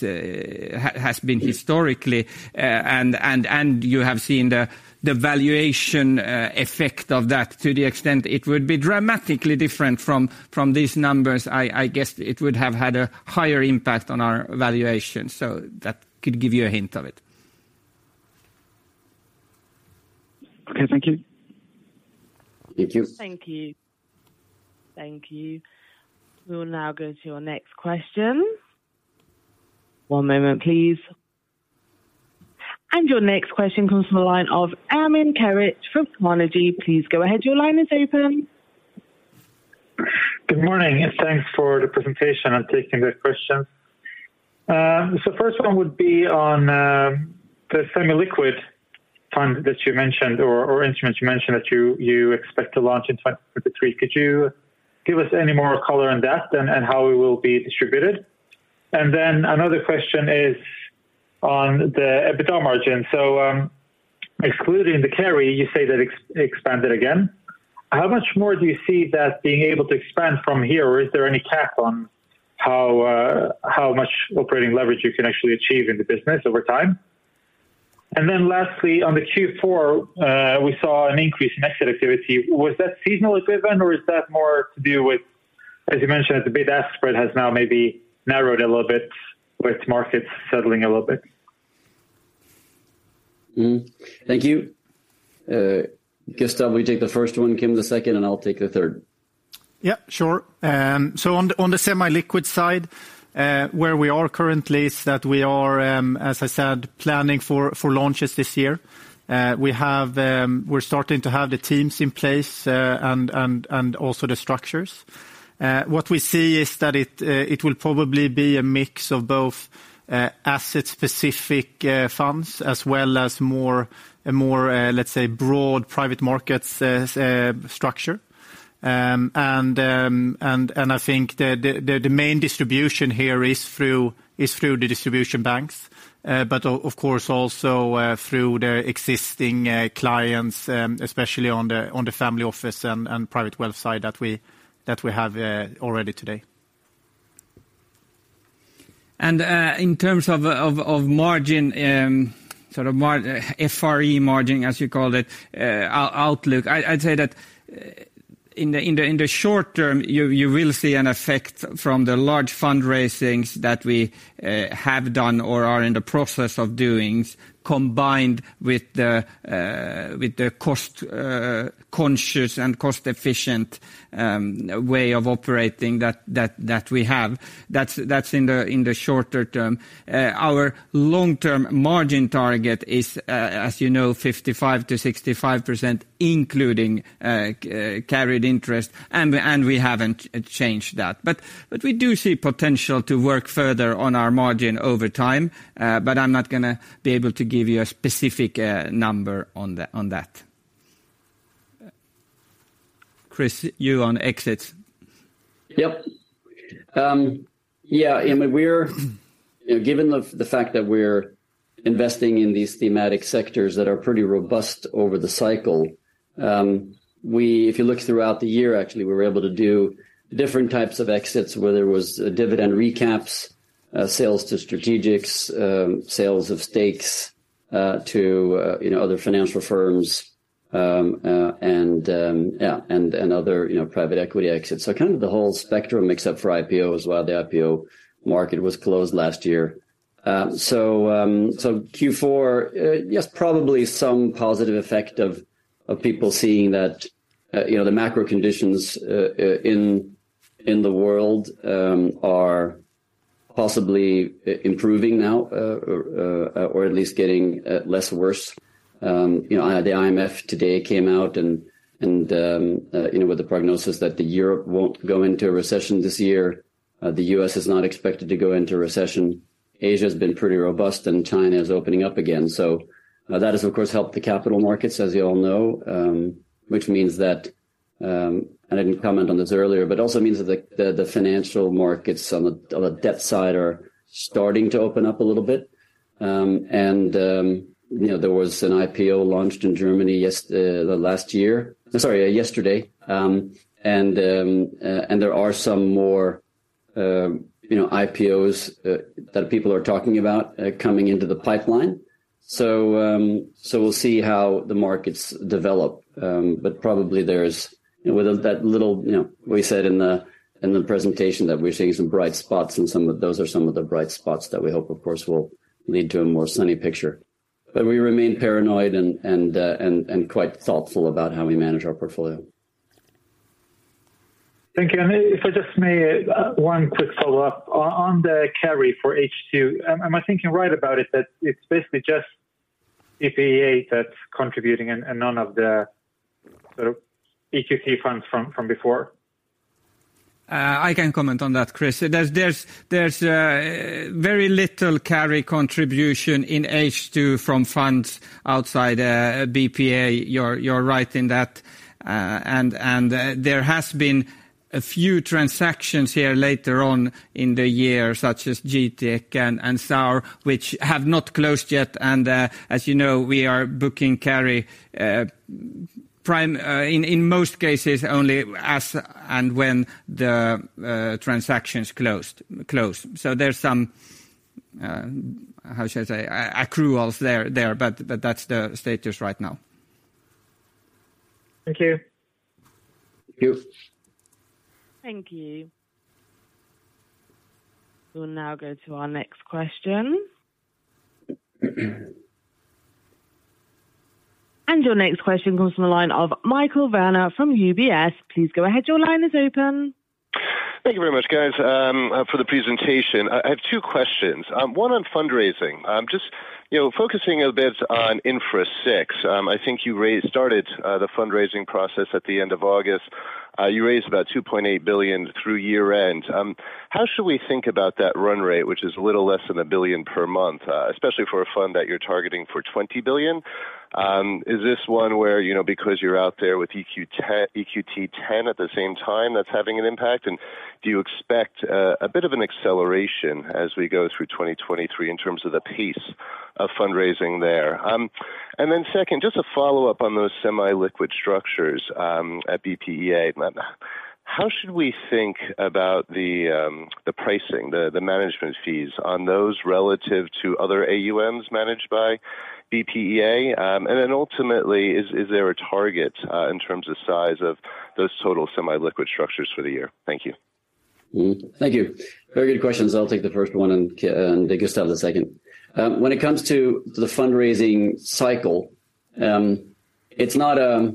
has been historically, and you have seen the valuation effect of that to the extent it would be dramatically different from these numbers. I guess it would have had a higher impact on our valuation, so that could give you a hint of it. Okay, thank you. Thank you. Thank you. Thank you. We will now go to your next question. One moment please. Your next question comes from the line of Armin Karch from Comenergy. Please go ahead. Your line is open. Good morning. Thanks for the presentation. I'm taking the questions. First one would be on the semi-liquid fund that you mentioned or instruments you mentioned that you expect to launch in 2023. Could you give us any more color on that and how it will be distributed? Another question is on the EBITDA margin. Excluding the carry, you say that expanded again. How much more do you see that being able to expand from here or is there any cap on how much operating leverage you can actually achieve in the business over time? Lastly, on the Q4, we saw an increase in exit activity. Was that seasonal equipment or is that more to do with, as you mentioned, the bid-ask spread has now maybe narrowed a little bit with markets settling a little bit? Thank you. Gustav, will you take the first one, Kim the second, and I'll take the third. Sure. On the semi-liquid side, where we are currently is that we are, as I said, planning for launches this year. We're starting to have the teams in place, and also the structures. What we see is that it will probably be a mix of both asset-specific funds as well as a more, let's say, broad private markets structure. I think the main distribution here is through the distribution banks. Of course, also, through the existing clients, especially on the family office and private wealth side that we have already today. In terms of FRE margin, as you called it, outlook, I'd say that in the short term, you will see an effect from the large fundraisings that we have done or are in the process of doing, combined with the cost conscious and cost-efficient way of operating that we have. That's in the shorter term. Our long-term margin target is, as you know, 55%-65%, including carried interest, and we haven't changed that. We do see potential to work further on our margin over time, but I'm not gonna be able to give you a specific number on that. Chris, you on exits. Yep. I mean, we're... You know given the fact that we're investing in these thematic sectors that are pretty robust over the cycle, If you look throughout the year, actually, we were able to do different types of exits, whether it was dividend recaps, sales to strategics, sales of stakes to, you know, other financial firms, and, yeah, and other, you know, private equity exits. Kind of the whole spectrum except for IPO as well. The IPO market was closed last year. Q4, yes, probably some positive effect of people seeing that, you know, the macro conditions in the world are possibly improving now, or at least getting less worse. You know, the IMF today came out and, you know, with the prognosis that Europe won't go into a recession this year. The U.S. is not expected to go into recession. Asia has been pretty robust, and China is opening up again. That has, of course, helped the capital markets, as you all know, which means that I didn't comment on this earlier, but it also means that the financial markets on the debt side are starting to open up a little bit. And, you know, there was an IPO launched in Germany last year. Sorry, yesterday. And, and there are some more, you know, IPOs that people are talking about coming into the pipeline. We'll see how the markets develop. But probably there's... With that little, you know, we said in the presentation that we're seeing some bright spots and some of those are some of the bright spots that we hope, of course, will lead to a more sunny picture. We remain paranoid and quite thoughtful about how we manage our portfolio. Thank you. If I just may, one quick follow-up. On the carry for H2, am I thinking right about it that it's basically just BPEA that's contributing and none of the sort of EQT funds from before? I can comment on that, Chris. There's very little carry contribution in H2 from funds outside, BPEA. You're right in that. There has been a few transactions here later on in the year, such as GETEC and Saur, which have not closed yet and, as you know, we are booking carry, prime, in most cases only as and when the transactions close. There's some, how should I say, accruals there, but that's the status right now. Thank you. Thank you. Thank you. We'll now go to our next question. Your next question comes from the line of Michael Werner from UBS. Please go ahead. Your line is open. Thank you very much, guys, for the presentation. I have two questions, one on fundraising. Just, you know, focusing a bit on Infra VI, I think you started the fundraising process at the end of August. You raised about $2.8 billion through year-end. How should we think about that run rate, which is a little less than $1 billion per month, especially for a fund that you're targeting for $20 billion? Is this one where, you know, because you're out there with EQT ten at the same time, that's having an impact? Do you expect a bit of an acceleration as we go through 2023 in terms of the pace of fundraising there? Second, just to follow up on those semi-liquid structures, at BPEA, how should we think about the pricing, the management fees on those relative to other AUMs managed by BPEA? Ultimately, is there a target in terms of size of those total semi-liquid structures for the year? Thank you. Thank you. Very good questions. I'll take the first one and then Gustav the second. When it comes to the fundraising cycle, it's not,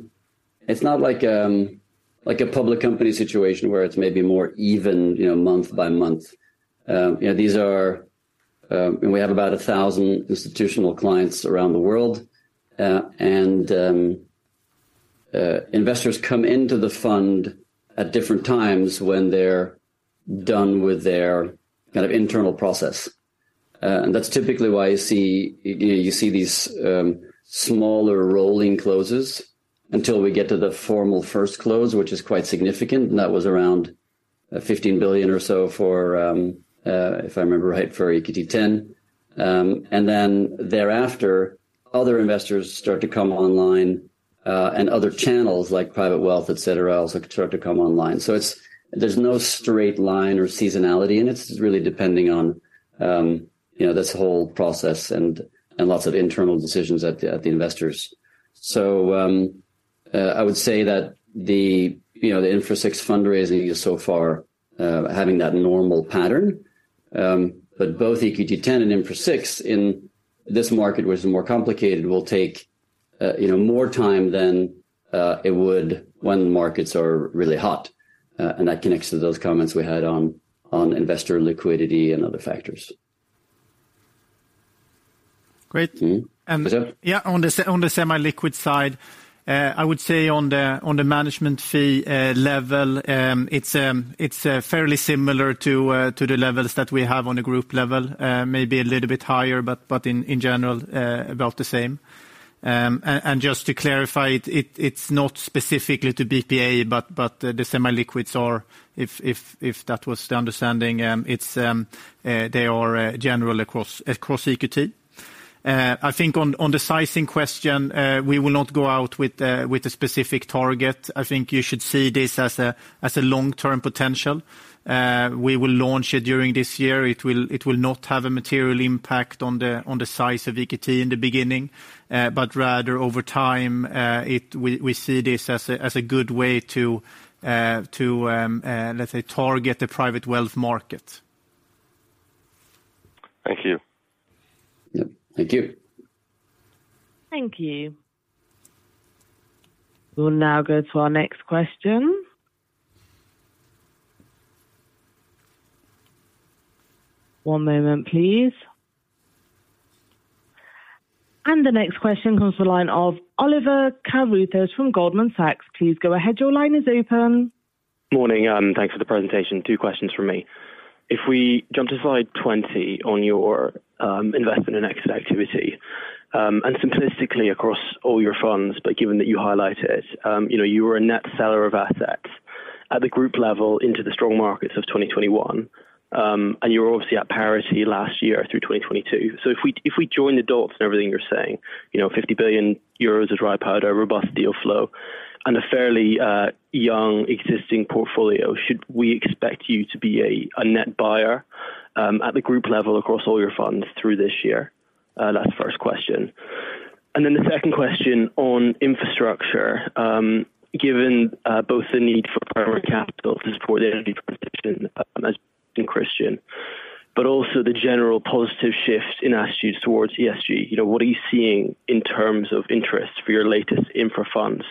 it's not like a public company situation where it's maybe more even, you know, month by month. You know, these are... We have about 1,000 institutional clients around the world, and investors come into the fund at different times when they're done with their kind of internal process. That's typically why you see, you know, you see these smaller rolling closes until we get to the formal first close, which is quite significant, and that was around $15 billion or so for, if I remember right, for EQT X. Thereafter, other investors start to come online, and other channels like private wealth, et cetera, also start to come online. There's no straight line or seasonality, and it's really depending on, you know, this whole process and lots of internal decisions at the investors. I would say that the, you know, the Infra VI fundraising is so far, having that normal pattern. Both EQT X and Infra VI in this market, which is more complicated, will take, you know, more time than it would when markets are really hot. That connects to those comments we had on investor liquidity and other factors. Great. Mm-hmm. Gustav. Yeah. On the semi-liquid side, I would say on the management fee level, it's fairly similar to the levels that we have on the group level. Maybe a little bit higher, but in general, about the same. Just to clarify, it's not specifically to BPEA, but the semi-liquids are if that was the understanding, they are general across EQT. I think on the sizing question, we will not go out with a specific target. I think you should see this as a long-term potential. We will launch it during this year. It will not have a material impact on the size of EQT in the beginning. Rather over time, we see this as a good way to let's say, target the private wealth market. Thank you. Yep. Thank you. Thank you. We'll now go to our next question. One moment, please. The next question comes from the line of Oliver Carruthers from Goldman Sachs. Please go ahead. Your line is open. Morning. Thanks for the presentation. Two questions from me. If we jump to slide 20 on your investment and exit activity, but given that you highlight it, you know, you were a net seller of assets at the group level into the strong markets of 2021. You were obviously at parity last year through 2022. If we, if we join the dots and everything you're saying, you know, 50 billion euros of dry powder, robust deal flow, and a fairly young existing portfolio, should we expect you to be a net buyer at the group level across all your funds through this year? That's the first question. The second question on infrastructure, given both the need for private capital to support the energy transition, as in Christian, but also the general positive shift in attitudes towards ESG, you know, what are you seeing in terms of interest for your latest infra funds,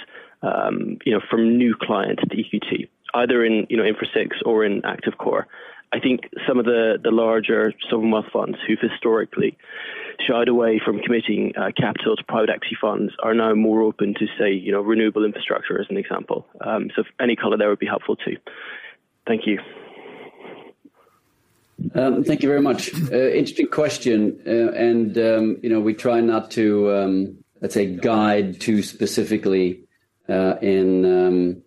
you know, from new clients at EQT, either in, you know, Infra VI or in Active Core? I think some of the larger sovereign wealth funds who've historically shied away from committing capital to private equity funds are now more open to, say, you know, renewable infrastructure as an example. Any color there would be helpful too. Thank you. Thank you very much. Interesting question. You know, we try not to, let's say, guide too specifically, in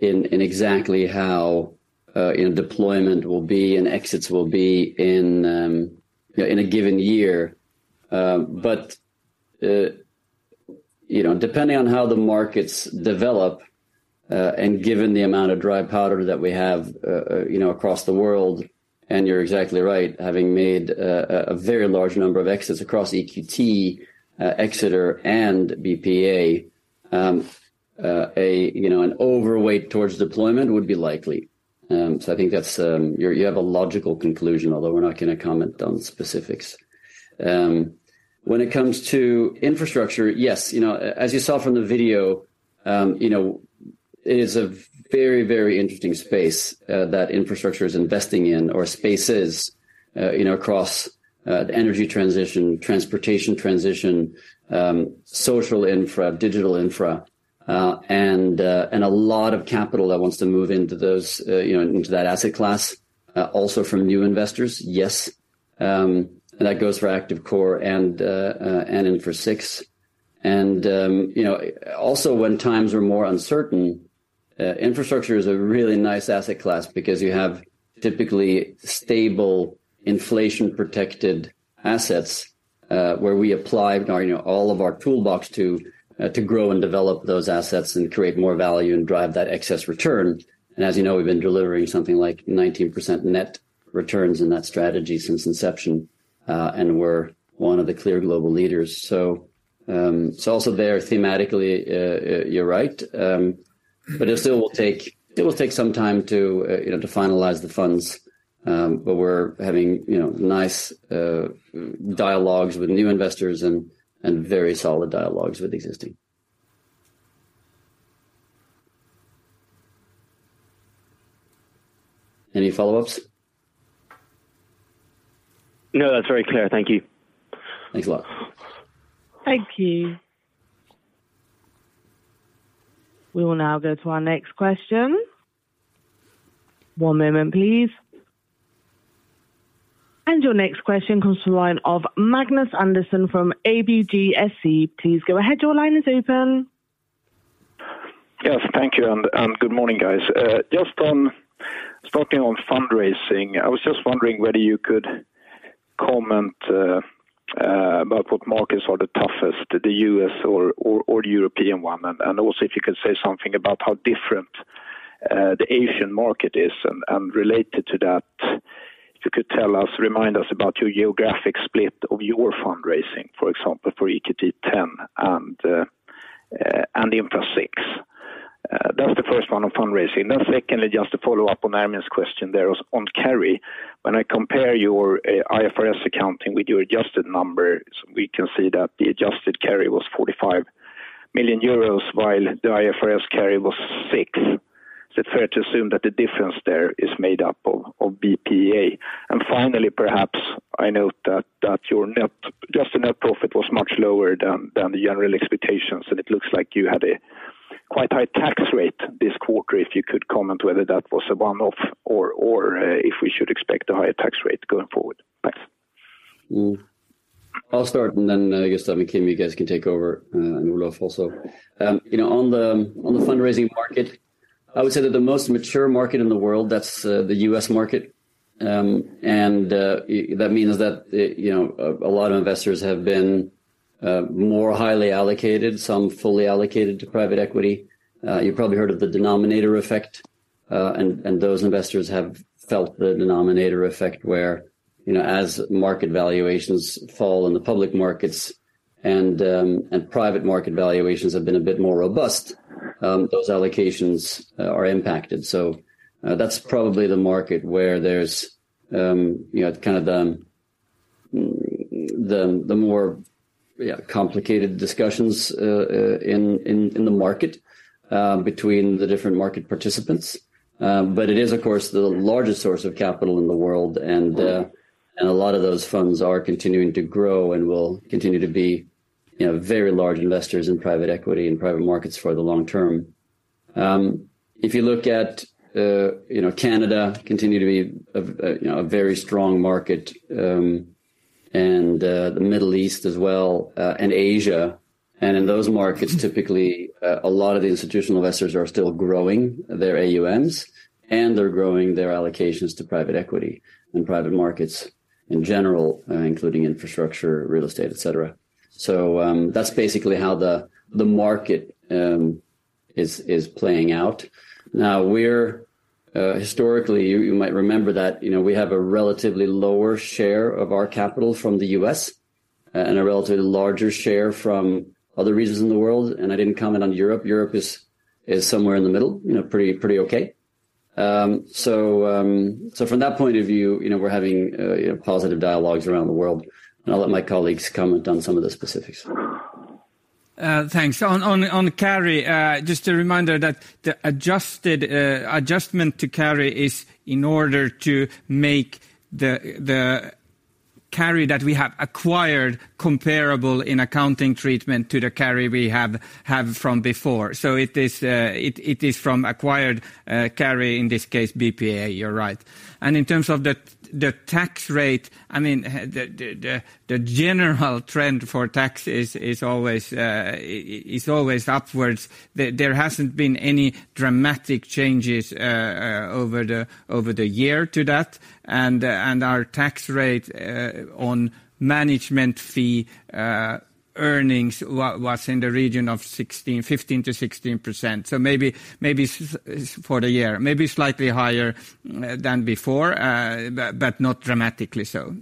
exactly how, you know, deployment will be and exits will be in, you know, in a given year. You know, depending on how the markets develop, and given the amount of dry powder that we have, you know, across the world, and you're exactly right, having made a very large number of exits across EQT, Exeter and BPEA, you know, an overweight towards deployment would be likely. I think that's. You have a logical conclusion, although we're not gonna comment on specifics. When it comes to infrastructure, yes, you know, as you saw from the video, you know, it is a very, very interesting space that infrastructure is investing in, or spaces, you know, across energy transition, transportation transition, social infra, digital infra, and a lot of capital that wants to move into those, you know, into that asset class, also from new investors. Yes, that goes for Active Core and Infra VI. Also, when times are more uncertain, infrastructure is a really nice asset class because you have typically stable inflation-protected assets, where we apply our, you know, all of our toolbox to grow and develop those assets and create more value and drive that excess return. As you know, we've been delivering something like 19% net returns in that strategy since inception, and we're one of the clear global leaders. Also there thematically, you're right. It still will take some time to, you know, to finalize the funds, but we're having, you know, nice, dialogues with new investors and very solid dialogues with existing. Any follow-ups? No, that's very clear. Thank you. Thanks a lot. Thank you. We will now go to our next question. One moment, please. Your next question comes from the line of Magnus Andersson from ABGSC. Please go ahead. Your line is open. Yes. Thank you and good morning, guys. Starting on fundraising, I was just wondering whether you could comment about what markets are the toughest, the U.S. or the European one, and also if you could say something about how different the Asian market is. Related to that, if you could remind us about your geographic split of your fundraising, for example, for EQT X and Infra VI. That's the first one on fundraising. Secondly, just to follow up on Armin's question there was on carry. When I compare your IFRS accounting with your adjusted numbers, we can see that the adjusted carry was 45 million euros while the IFRS carry was 6 million. Is it fair to assume that the difference there is made up of BPEA? Finally, perhaps I note that just the net profit was much lower than the general expectations. It looks like you had a quite high tax rate this quarter. If you could comment whether that was a one-off or if we should expect a higher tax rate going forward. Thanks. I'll start and then I guess, Gustav and Kim, you guys can take over, and Olof also. You know, on the, on the fundraising market, I would say that the most mature market in the world, that's, the U.S. market. That means that, you know, a lot of investors have been more highly allocated, some fully allocated to private equity. You probably heard of the denominator effect, and those investors have felt the denominator effect where, you know, as market valuations fall in the public markets and private market valuations have been a bit more robust, those allocations are impacted. That's probably the market where there's, you know, kind of the more, yeah, complicated discussions in the market between the different market participants. But it is of course the largest source of capital in the world and a lot of those funds are continuing to grow and will continue to be, you know, very large investors in private equity and private markets for the long term. If you look at, you know, Canada continue to be a very strong market, and the Middle East as well, and Asia. In those markets, typically, a lot of the institutional investors are still growing their AUMs and they're growing their allocations to private equity and private markets in general, including infrastructure, real estate, et cetera. That's basically how the market is playing out. Now historically you might remember that, you know, we have a relatively lower share of our capital from the U.S. and a relatively larger share from other regions in the world, and I didn't comment on Europe. Europe is somewhere in the middle, you know, pretty okay. From that point of view, you know, we're having, you know, positive dialogues around the world, and I'll let my colleagues comment on some of the specifics. Thanks. On carry, just a reminder that the adjusted adjustment to carry is in order to make the carry that we have acquired comparable in accounting treatment to the carry we have from before. It is from acquired carry, in this case BPEA, you're right. In terms of the tax rate, I mean, the general trend for tax is always upwards. There hasn't been any dramatic changes over the year to that. Our tax rate on management fee earnings was in the region of 16, 15% to 16%. Maybe for the year, maybe slightly higher than before, but not dramatically so.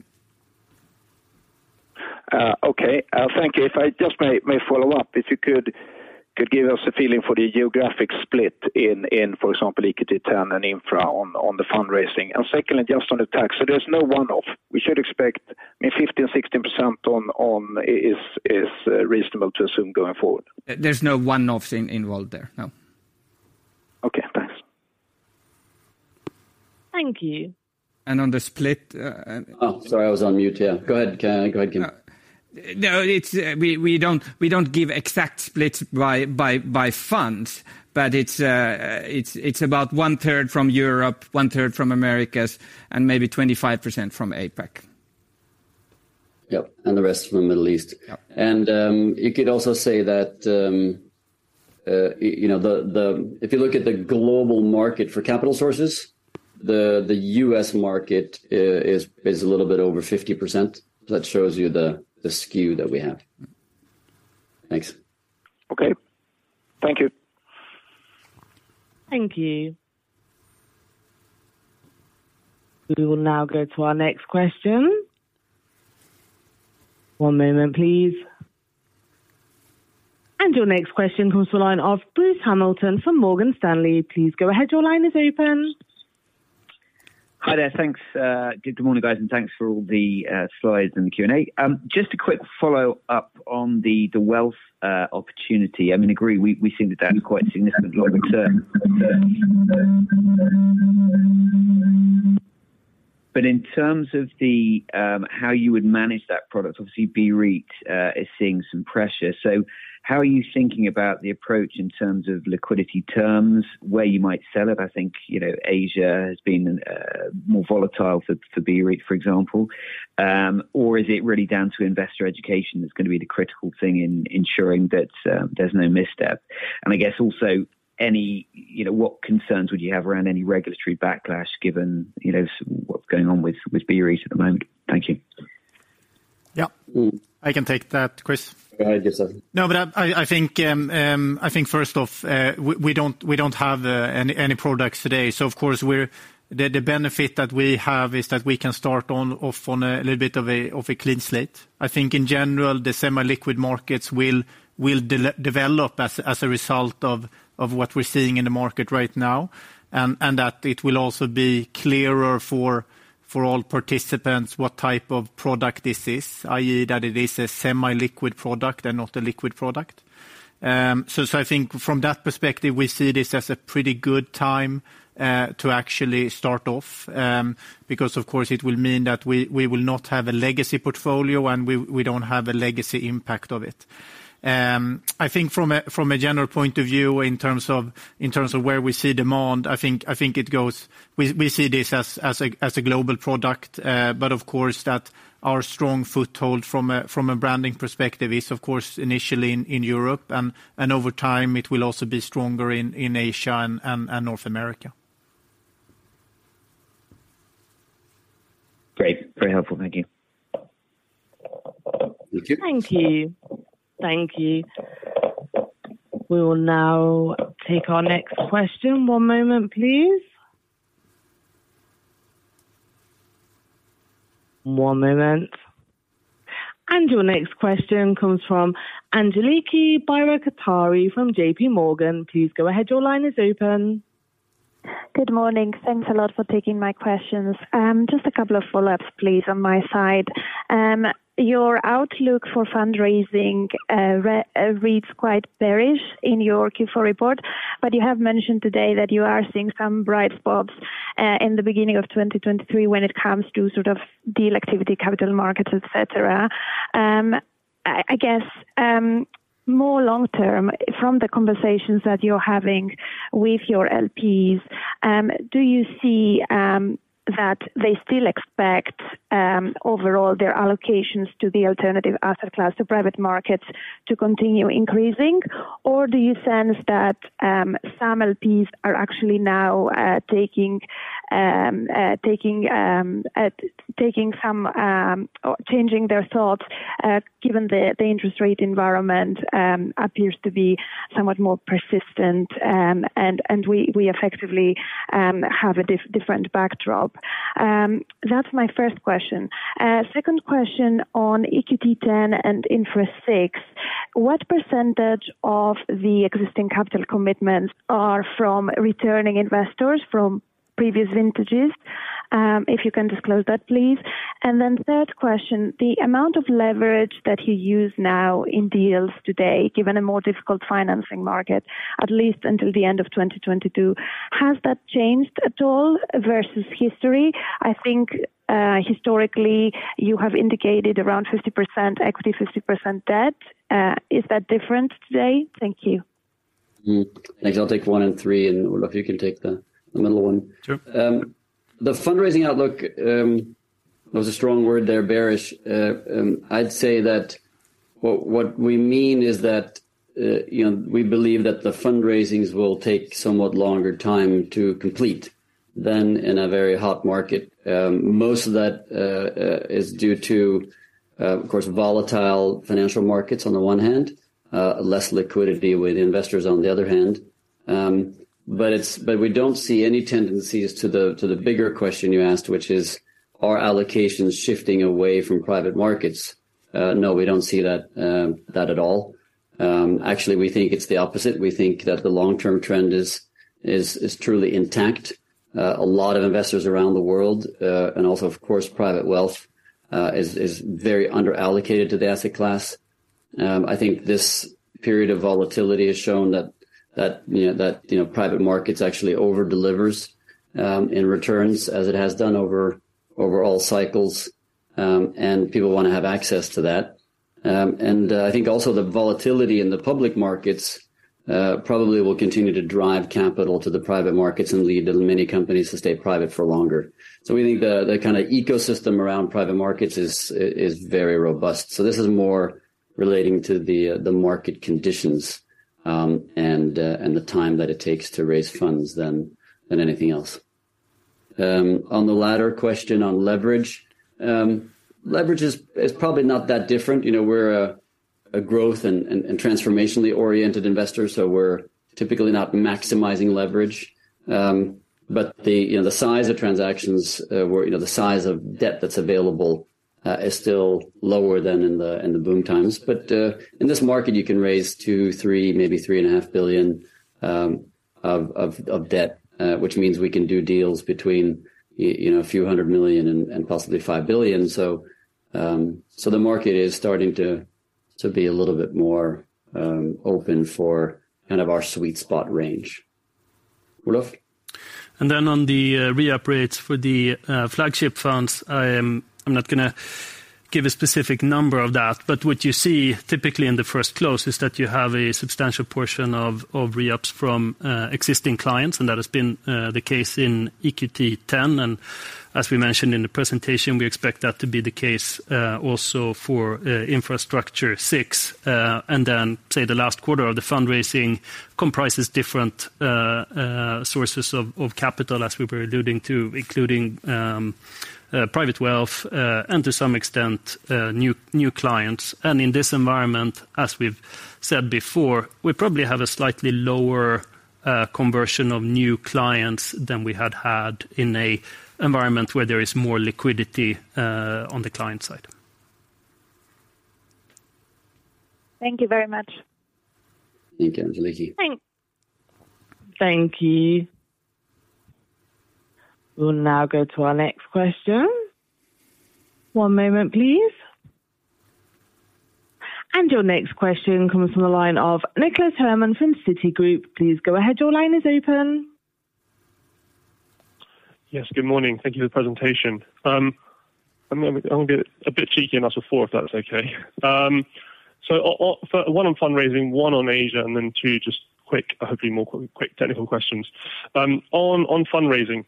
Okay. Thank you. If I just may follow up, if you could give us a feeling for the geographic split in, for example, EQT X and infra on the fundraising? Secondly, just on the tax. There's no one-off? We should expect, I mean 50% and 60% on is reasonable to assume going forward? There's no one-offs in, involved there, no. Okay, thanks. Thank you. on the split. Oh, sorry, I was on mute, yeah. Go ahead, Kim. No. We don't give exact splits by funds, but it's about 1/3 from Europe, 1/3 from Americas, and maybe 25% from APAC. Yep, and the rest from the Middle East. Yeah. You could also say that, you know, If you look at the global market for capital sources, the U.S. market is a little bit over 50%. That shows you the skew that we have. Thanks. Okay. Thank you. Thank you. We will now go to our next question. One moment, please. Your next question comes to the line of Devin McDermott from Morgan Stanley. Please go ahead, your line is open. Hi there. Thanks. Good morning, guys, and thanks for all the slides and the Q&A. Just a quick follow-up on the wealth opportunity. I mean, agree, we've seen that that's quite significant long-term. In terms of how you would manage that product, obviously BREIT is seeing some pressure. How are you thinking about the approach in terms of liquidity terms, where you might sell it? I think, you know, Asia has been more volatile for BREIT, for example. Is it really down to investor education that's gonna be the critical thing in ensuring that there's no misstep? I guess also, you know, what concerns would you have around any regulatory backlash given, you know, what's going on with BREIT at the moment? Thank you. Yeah. I can take that, Chris. Go ahead, Gustav. I think first off, we don't have any products today. Of course. The benefit that we have is that we can start off on a little bit of a clean slate. I think in general, the semi-liquid markets will de-develop as a result of what we're seeing in the market right now. That it will also be clearer for all participants what type of product this is, i.e. that it is a semi-liquid product and not a liquid product. I think from that perspective, we see this as a pretty good time to actually start off because of course it will mean that we will not have a legacy portfolio and we don't have a legacy impact of it. I think from a general point of view in terms of where we see demand, I think it goes. We see this as a global product. Of course that our strong foothold from a branding perspective is of course initially in Europe, and over time, it will also be stronger in Asia and North America. Great. Very helpful. Thank you. Thank you. Thank you. Thank you. We will now take our next question. One moment please. One moment. Your next question comes from Angeliki Bairactari from J.P. Morgan. Please go ahead, your line is open. Good morning. Thanks a lot for taking my questions. Just a couple of follow-ups please on my side. Your outlook for fundraising, re-reads quite bearish in your Q4 report, but you have mentioned today that you are seeing some bright spots, in the beginning of 2023 when it comes to sort of deal activity, capital markets, et cetera. I guess, more long-term, from the conversations that you're having with your LPs, do you see that they still expect overall their allocations to the alternative asset class, the private markets, to continue increasing? Do you sense that some LPs are actually now taking some or changing their thoughts given the interest rate environment appears to be somewhat more persistent and we effectively have a different backdrop? That's my first question. Second question on EQT X and EQT Infrastructure VI. What % of the existing capital commitments are from returning investors from previous vintages? If you can disclose that, please. Third question, the amount of leverage that you use now in deals today, given a more difficult financing market, at least until the end of 2022, has that changed at all versus history? I think historically you have indicated around 50% equity, 50% debt. Is that different today? Thank you. Actually, I'll take one and three, and Olaf, you can take the middle 1. Sure. The fundraising outlook, that was a strong word there, bearish. I'd say that what we mean is that, you know, we believe that the fundraisings will take somewhat longer time to complete than in a very hot market. Most of that is due to, of course, volatile financial markets on the one hand, less liquidity with investors on the other hand. But we don't see any tendencies to the bigger question you asked, which is, are allocations shifting away from private markets? No, we don't see that at all. Actually, we think it's the opposite. We think that the long-term trend is truly intact. A lot of investors around the world, and also, of course, private wealth, is very underallocated to the asset class. I think this period of volatility has shown that, you know, private markets actually over-delivers in returns as it has done over all cycles, and people wanna have access to that. I think also the volatility in the public markets probably will continue to drive capital to the private markets and lead to many companies to stay private for longer. We think the kinda ecosystem around private markets is very robust. This is more relating to the market conditions, and the time that it takes to raise funds than anything else. On the latter question on leverage. Leverage is probably not that different. You know, we're a growth and transformationally oriented investor, we're typically not maximizing leverage. The, you know, the size of transactions, you know, the size of debt that's available, is still lower than in the, in the boom times. In this market, you can raise $2 billion, $3 billion, maybe $3.5 billion of debt, which means we can do deals between, you know, a few hundred million and possibly $5 billion. The market is starting to be a little bit more open for kind of our sweet spot range. Olaf? On the re-up rates for the flagship funds, I'm not gonna give a specific number of that, but what you see typically in the first close is that you have a substantial portion of re-ups from existing clients, and that has been the case in EQT X. As we mentioned in the presentation, we expect that to be the case also for EQT Infrastructure VI. Say the last quarter of the fundraising comprises different sources of capital, as we were alluding to, including private wealth, and to some extent, new clients. In this environment, as we've said before, we probably have a slightly lower conversion of new clients than we had had in an environment where there is more liquidity on the client side. Thank you very much. Thank you, Angeliki. Thanks. Thank you. We'll now go to our next question. One moment, please. Your next question comes from the line of Nicholas Herman from Citigroup. Please go ahead. Your line is open. Yes, good morning. Thank you for the presentation. I'm gonna be a bit cheeky and ask for four, if that's okay. So one on fundraising, one on Asia, and then two just quick, hopefully more quick technical questions. On, on fundraising.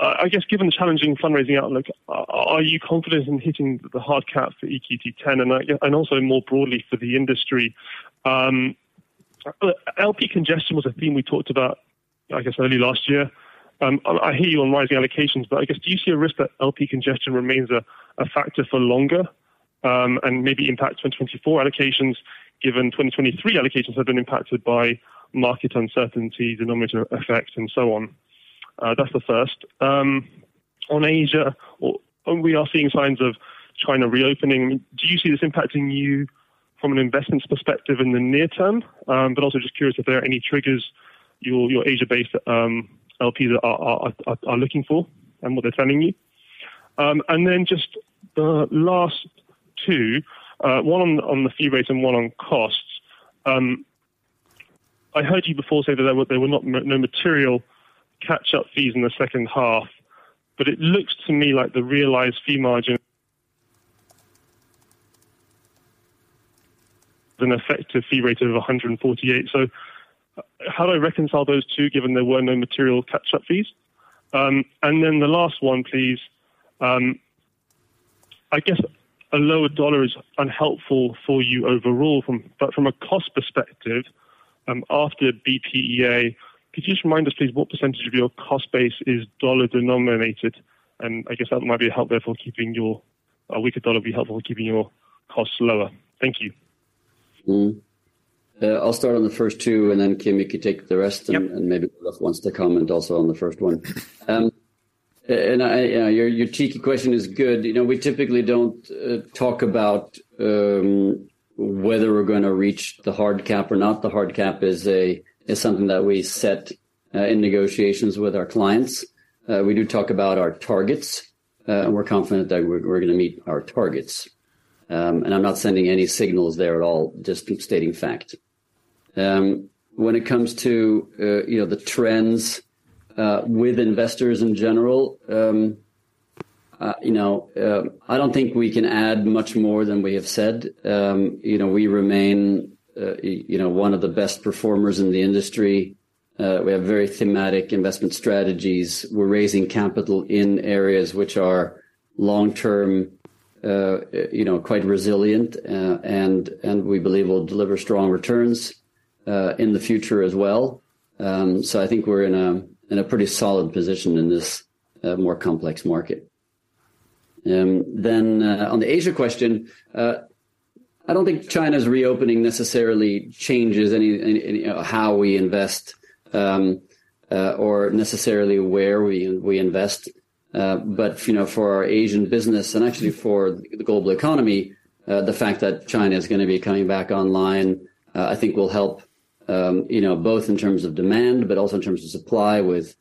I guess given the challenging fundraising outlook, are you confident in hitting the hard cap for EQT X? Also more broadly for the industry? LP congestion was a theme we talked about, I guess early last year. I hear you on rising allocations, but I guess, do you see a risk that LP congestion remains a factor for longer? Maybe impact 2024 allocations, given 2023 allocations have been impacted by market uncertainty, denominator effects, and so on. That's the first. On Asia, when we are seeing signs of China reopening, do you see this impacting you from an investments perspective in the near term? Also just curious if there are any triggers your Asia-based LPs are looking for and what they're telling you. Just the last two, one on the fee rates and one on costs. I heard you before say that there were no material catch-up fees in the second half, but it looks to me like the realized fee margin an effective fee rate of 148. How do I reconcile those two given there were no material catch-up fees? The last one, please. I guess a lower dollar is unhelpful for you overall but from a cost perspective, after BPEA, could you just remind us, please, what % of your cost base is dollar-denominated? I guess that might be helpful a weaker dollar be helpful keeping your costs lower. Thank you. Mm-hmm. I'll start on the first two, and then Kim, you can take the rest. Yep. Maybe Olaf wants to comment also on the first one. Your cheeky question is good. You know, we typically don't talk about whether we're gonna reach the hard cap or not. The hard cap is something that we set in negotiations with our clients. We do talk about our targets, and we're confident that we're gonna meet our targets. I'm not sending any signals there at all, just stating fact. When it comes to, you know, the trends with investors in general, you know, I don't think we can add much more than we have said. You know, we remain, you know, one of the best performers in the industry. We have very thematic investment strategies. We're raising capital in areas which are long-term, you know, quite resilient, and we believe will deliver strong returns in the future as well. On the Asia question, I don't think China's reopening necessarily changes any how we invest or necessarily where we invest. For our Asian business and actually for the global economy, the fact that China is gonna be coming back online, I think will help, you know, both in terms of demand, but also in terms of supply with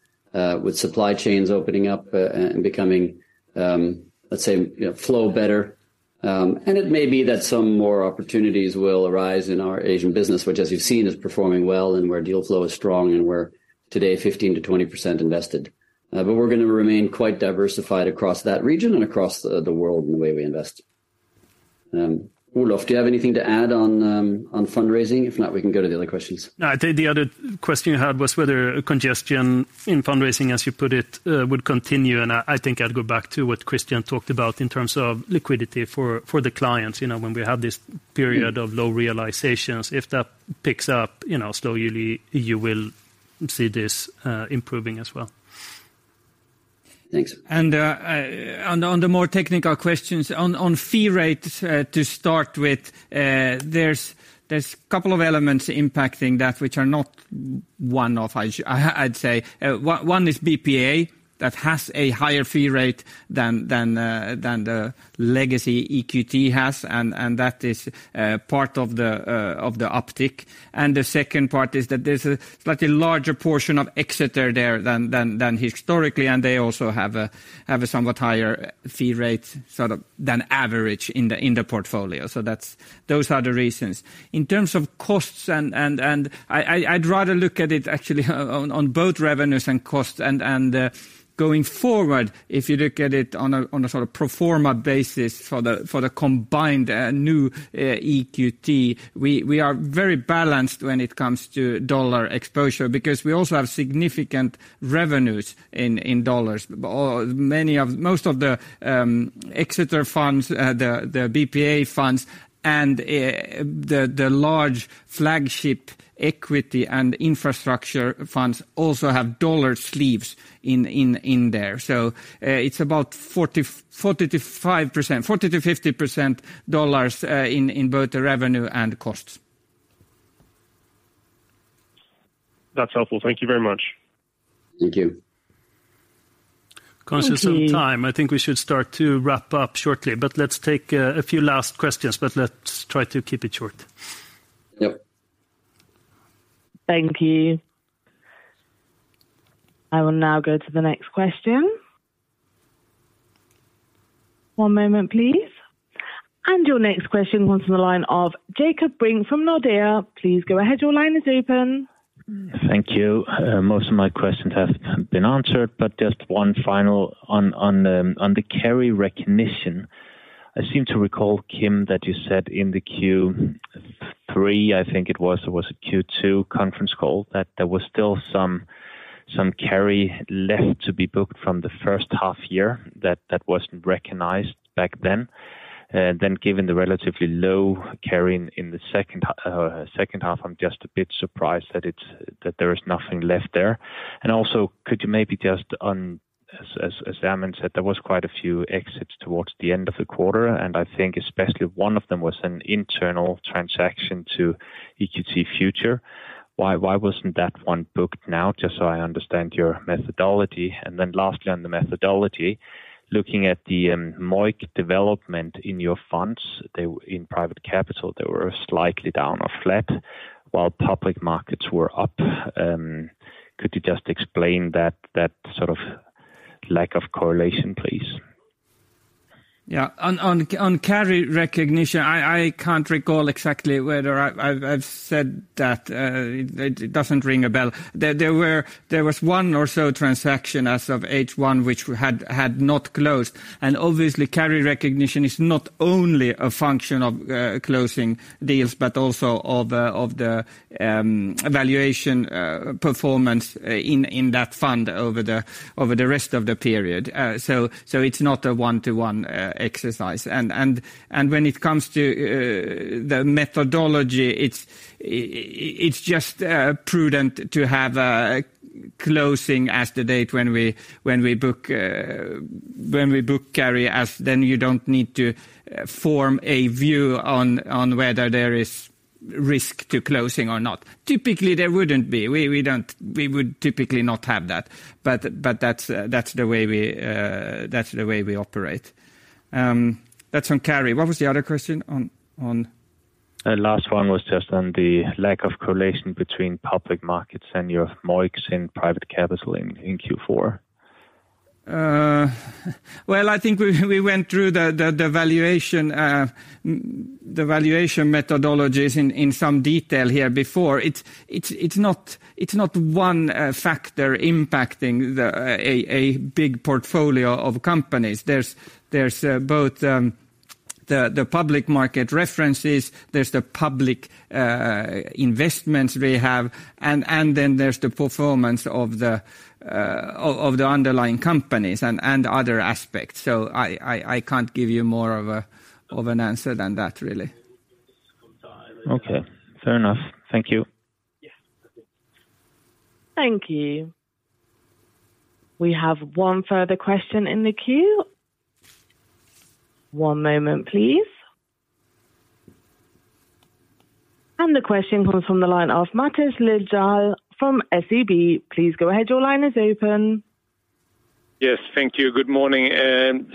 supply chains opening up and becoming, let's say, you know, flow better. It may be that some more opportunities will arise in our Asian business, which as you've seen, is performing well and where deal flow is strong and where today 15%-20% invested. We're gonna remain quite diversified across that region and across the world in the way we invest. Olof, do you have anything to add on fundraising? If not, we can go to the other questions. No, I think the other question you had was whether congestion in fundraising, as you put it, would continue. I think I'd go back to what Christian talked about in terms of liquidity for the clients, you know, when we have this period of low realizations. If that picks up, you know, slowly you will see this improving as well. Thanks. On the more technical questions on fee rates, to start with, there's couple of elements impacting that which are not one of I'd say. One is BPEA that has a higher fee rate than the legacy EQT has. That is part of the uptick. The second part is that there's a slightly larger portion of Exeter there than historically, and they also have a somewhat higher fee rate sort of than average in the portfolio. Those are the reasons. In terms of costs and I'd rather look at it actually on both revenues and costs and going forward, if you look at it on a sort of pro forma basis for the combined new EQT, we are very balanced when it comes to dollar exposure because we also have significant revenues in dollars. Most of the Exeter funds, the BPEA funds and the large flagship equity and infrastructure funds also have dollar sleeves in there. It's about 40% to 50% dollars in both the revenue and costs. That's helpful. Thank you very much. Thank you. Thank you. Conscious of time, I think we should start to wrap up shortly. Let's take a few last questions. Let's try to keep it short. Yep. Thank you. I will now go to the next question. One moment, please. Your next question comes from the line of Jacob Michaelsen from Nordea. Please go ahead. Your line is open. Thank you. Most of my questions have been answered, just one final on the carry recognition. I seem to recall, Kim, that you said in the Q3, I think it was, or was it Q2 conference call that there was still some carry left to be booked from the first half year that wasn't recognized back then. Given the relatively low carry in the second half, I'm just a bit surprised that it's that there is nothing left there. Also, could you maybe just as Armin said, there was quite a few exits towards the end of the quarter, and I think especially one of them was an internal transaction to EQT Future. Why wasn't that one booked now? Just so I understand your methodology. Lastly, on the methodology, looking at the MOIC development in your funds, in private capital, they were slightly down or flat while public markets were up. Could you just explain that sort of lack of correlation, please? Yeah. On carry recognition, I can't recall exactly whether I've said that. It doesn't ring a bell. There was one or so transaction as of H1 which we had not closed. Obviously, carry recognition is not only a function of closing deals, but also of the valuation performance in that fund over the rest of the period. So it's not a one-to-one exercise. When it comes to the methodology, it's just prudent to have a closing as the date when we book carry, as then you don't need to form a view on whether there is risk to closing or not. Typically, there wouldn't be. We would typically not have that. That's the way we operate. That's on carry. What was the other question on? The last one was just on the lack of correlation between public markets and your MOICs in private capital in Q4. Well, I think we went through the valuation methodologies in some detail here before. It's not one factor impacting a big portfolio of companies. There's both the public market references, there's the public investments we have, and then there's the performance of the underlying companies and other aspects. I can't give you more of an answer than that really. Okay. Fair enough. Thank you. Thank you. We have one further question in the queue. One moment, please. The question comes from the line of Mattias Lundberg from SEB. Please go ahead. Your line is open. Yes. Thank you. Good morning.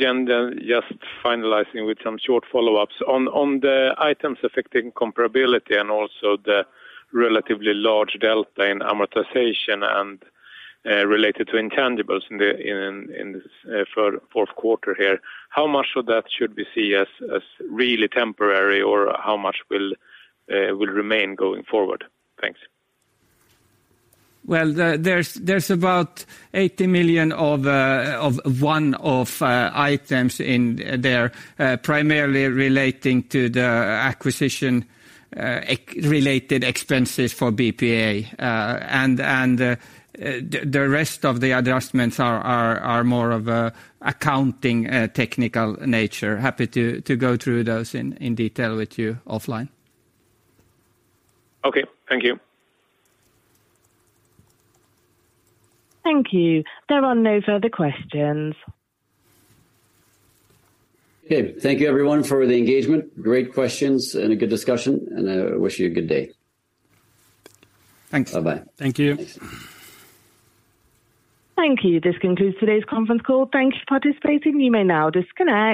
Jan, just finalizing with some short follow-ups. On the items affecting comparability and also the relatively large delta in amortization and related to intangibles in the fourth quarter here, how much of that should we see as really temporary, or how much will remain going forward? Thanks. Well, there's about $80 million of one of items in there, primarily relating to the acquisition-related expenses for BPEA. The rest of the adjustments are more of accounting technical nature. Happy to go through those in detail with you offline. Okay. Thank you. Thank you. There are no further questions. Okay. Thank you everyone for the engagement. Great questions and a good discussion. I wish you a good day. Thanks. Bye-bye. Thank you. Thanks. Thank you. This concludes today's conference call. Thank you for participating. You may now disconnect.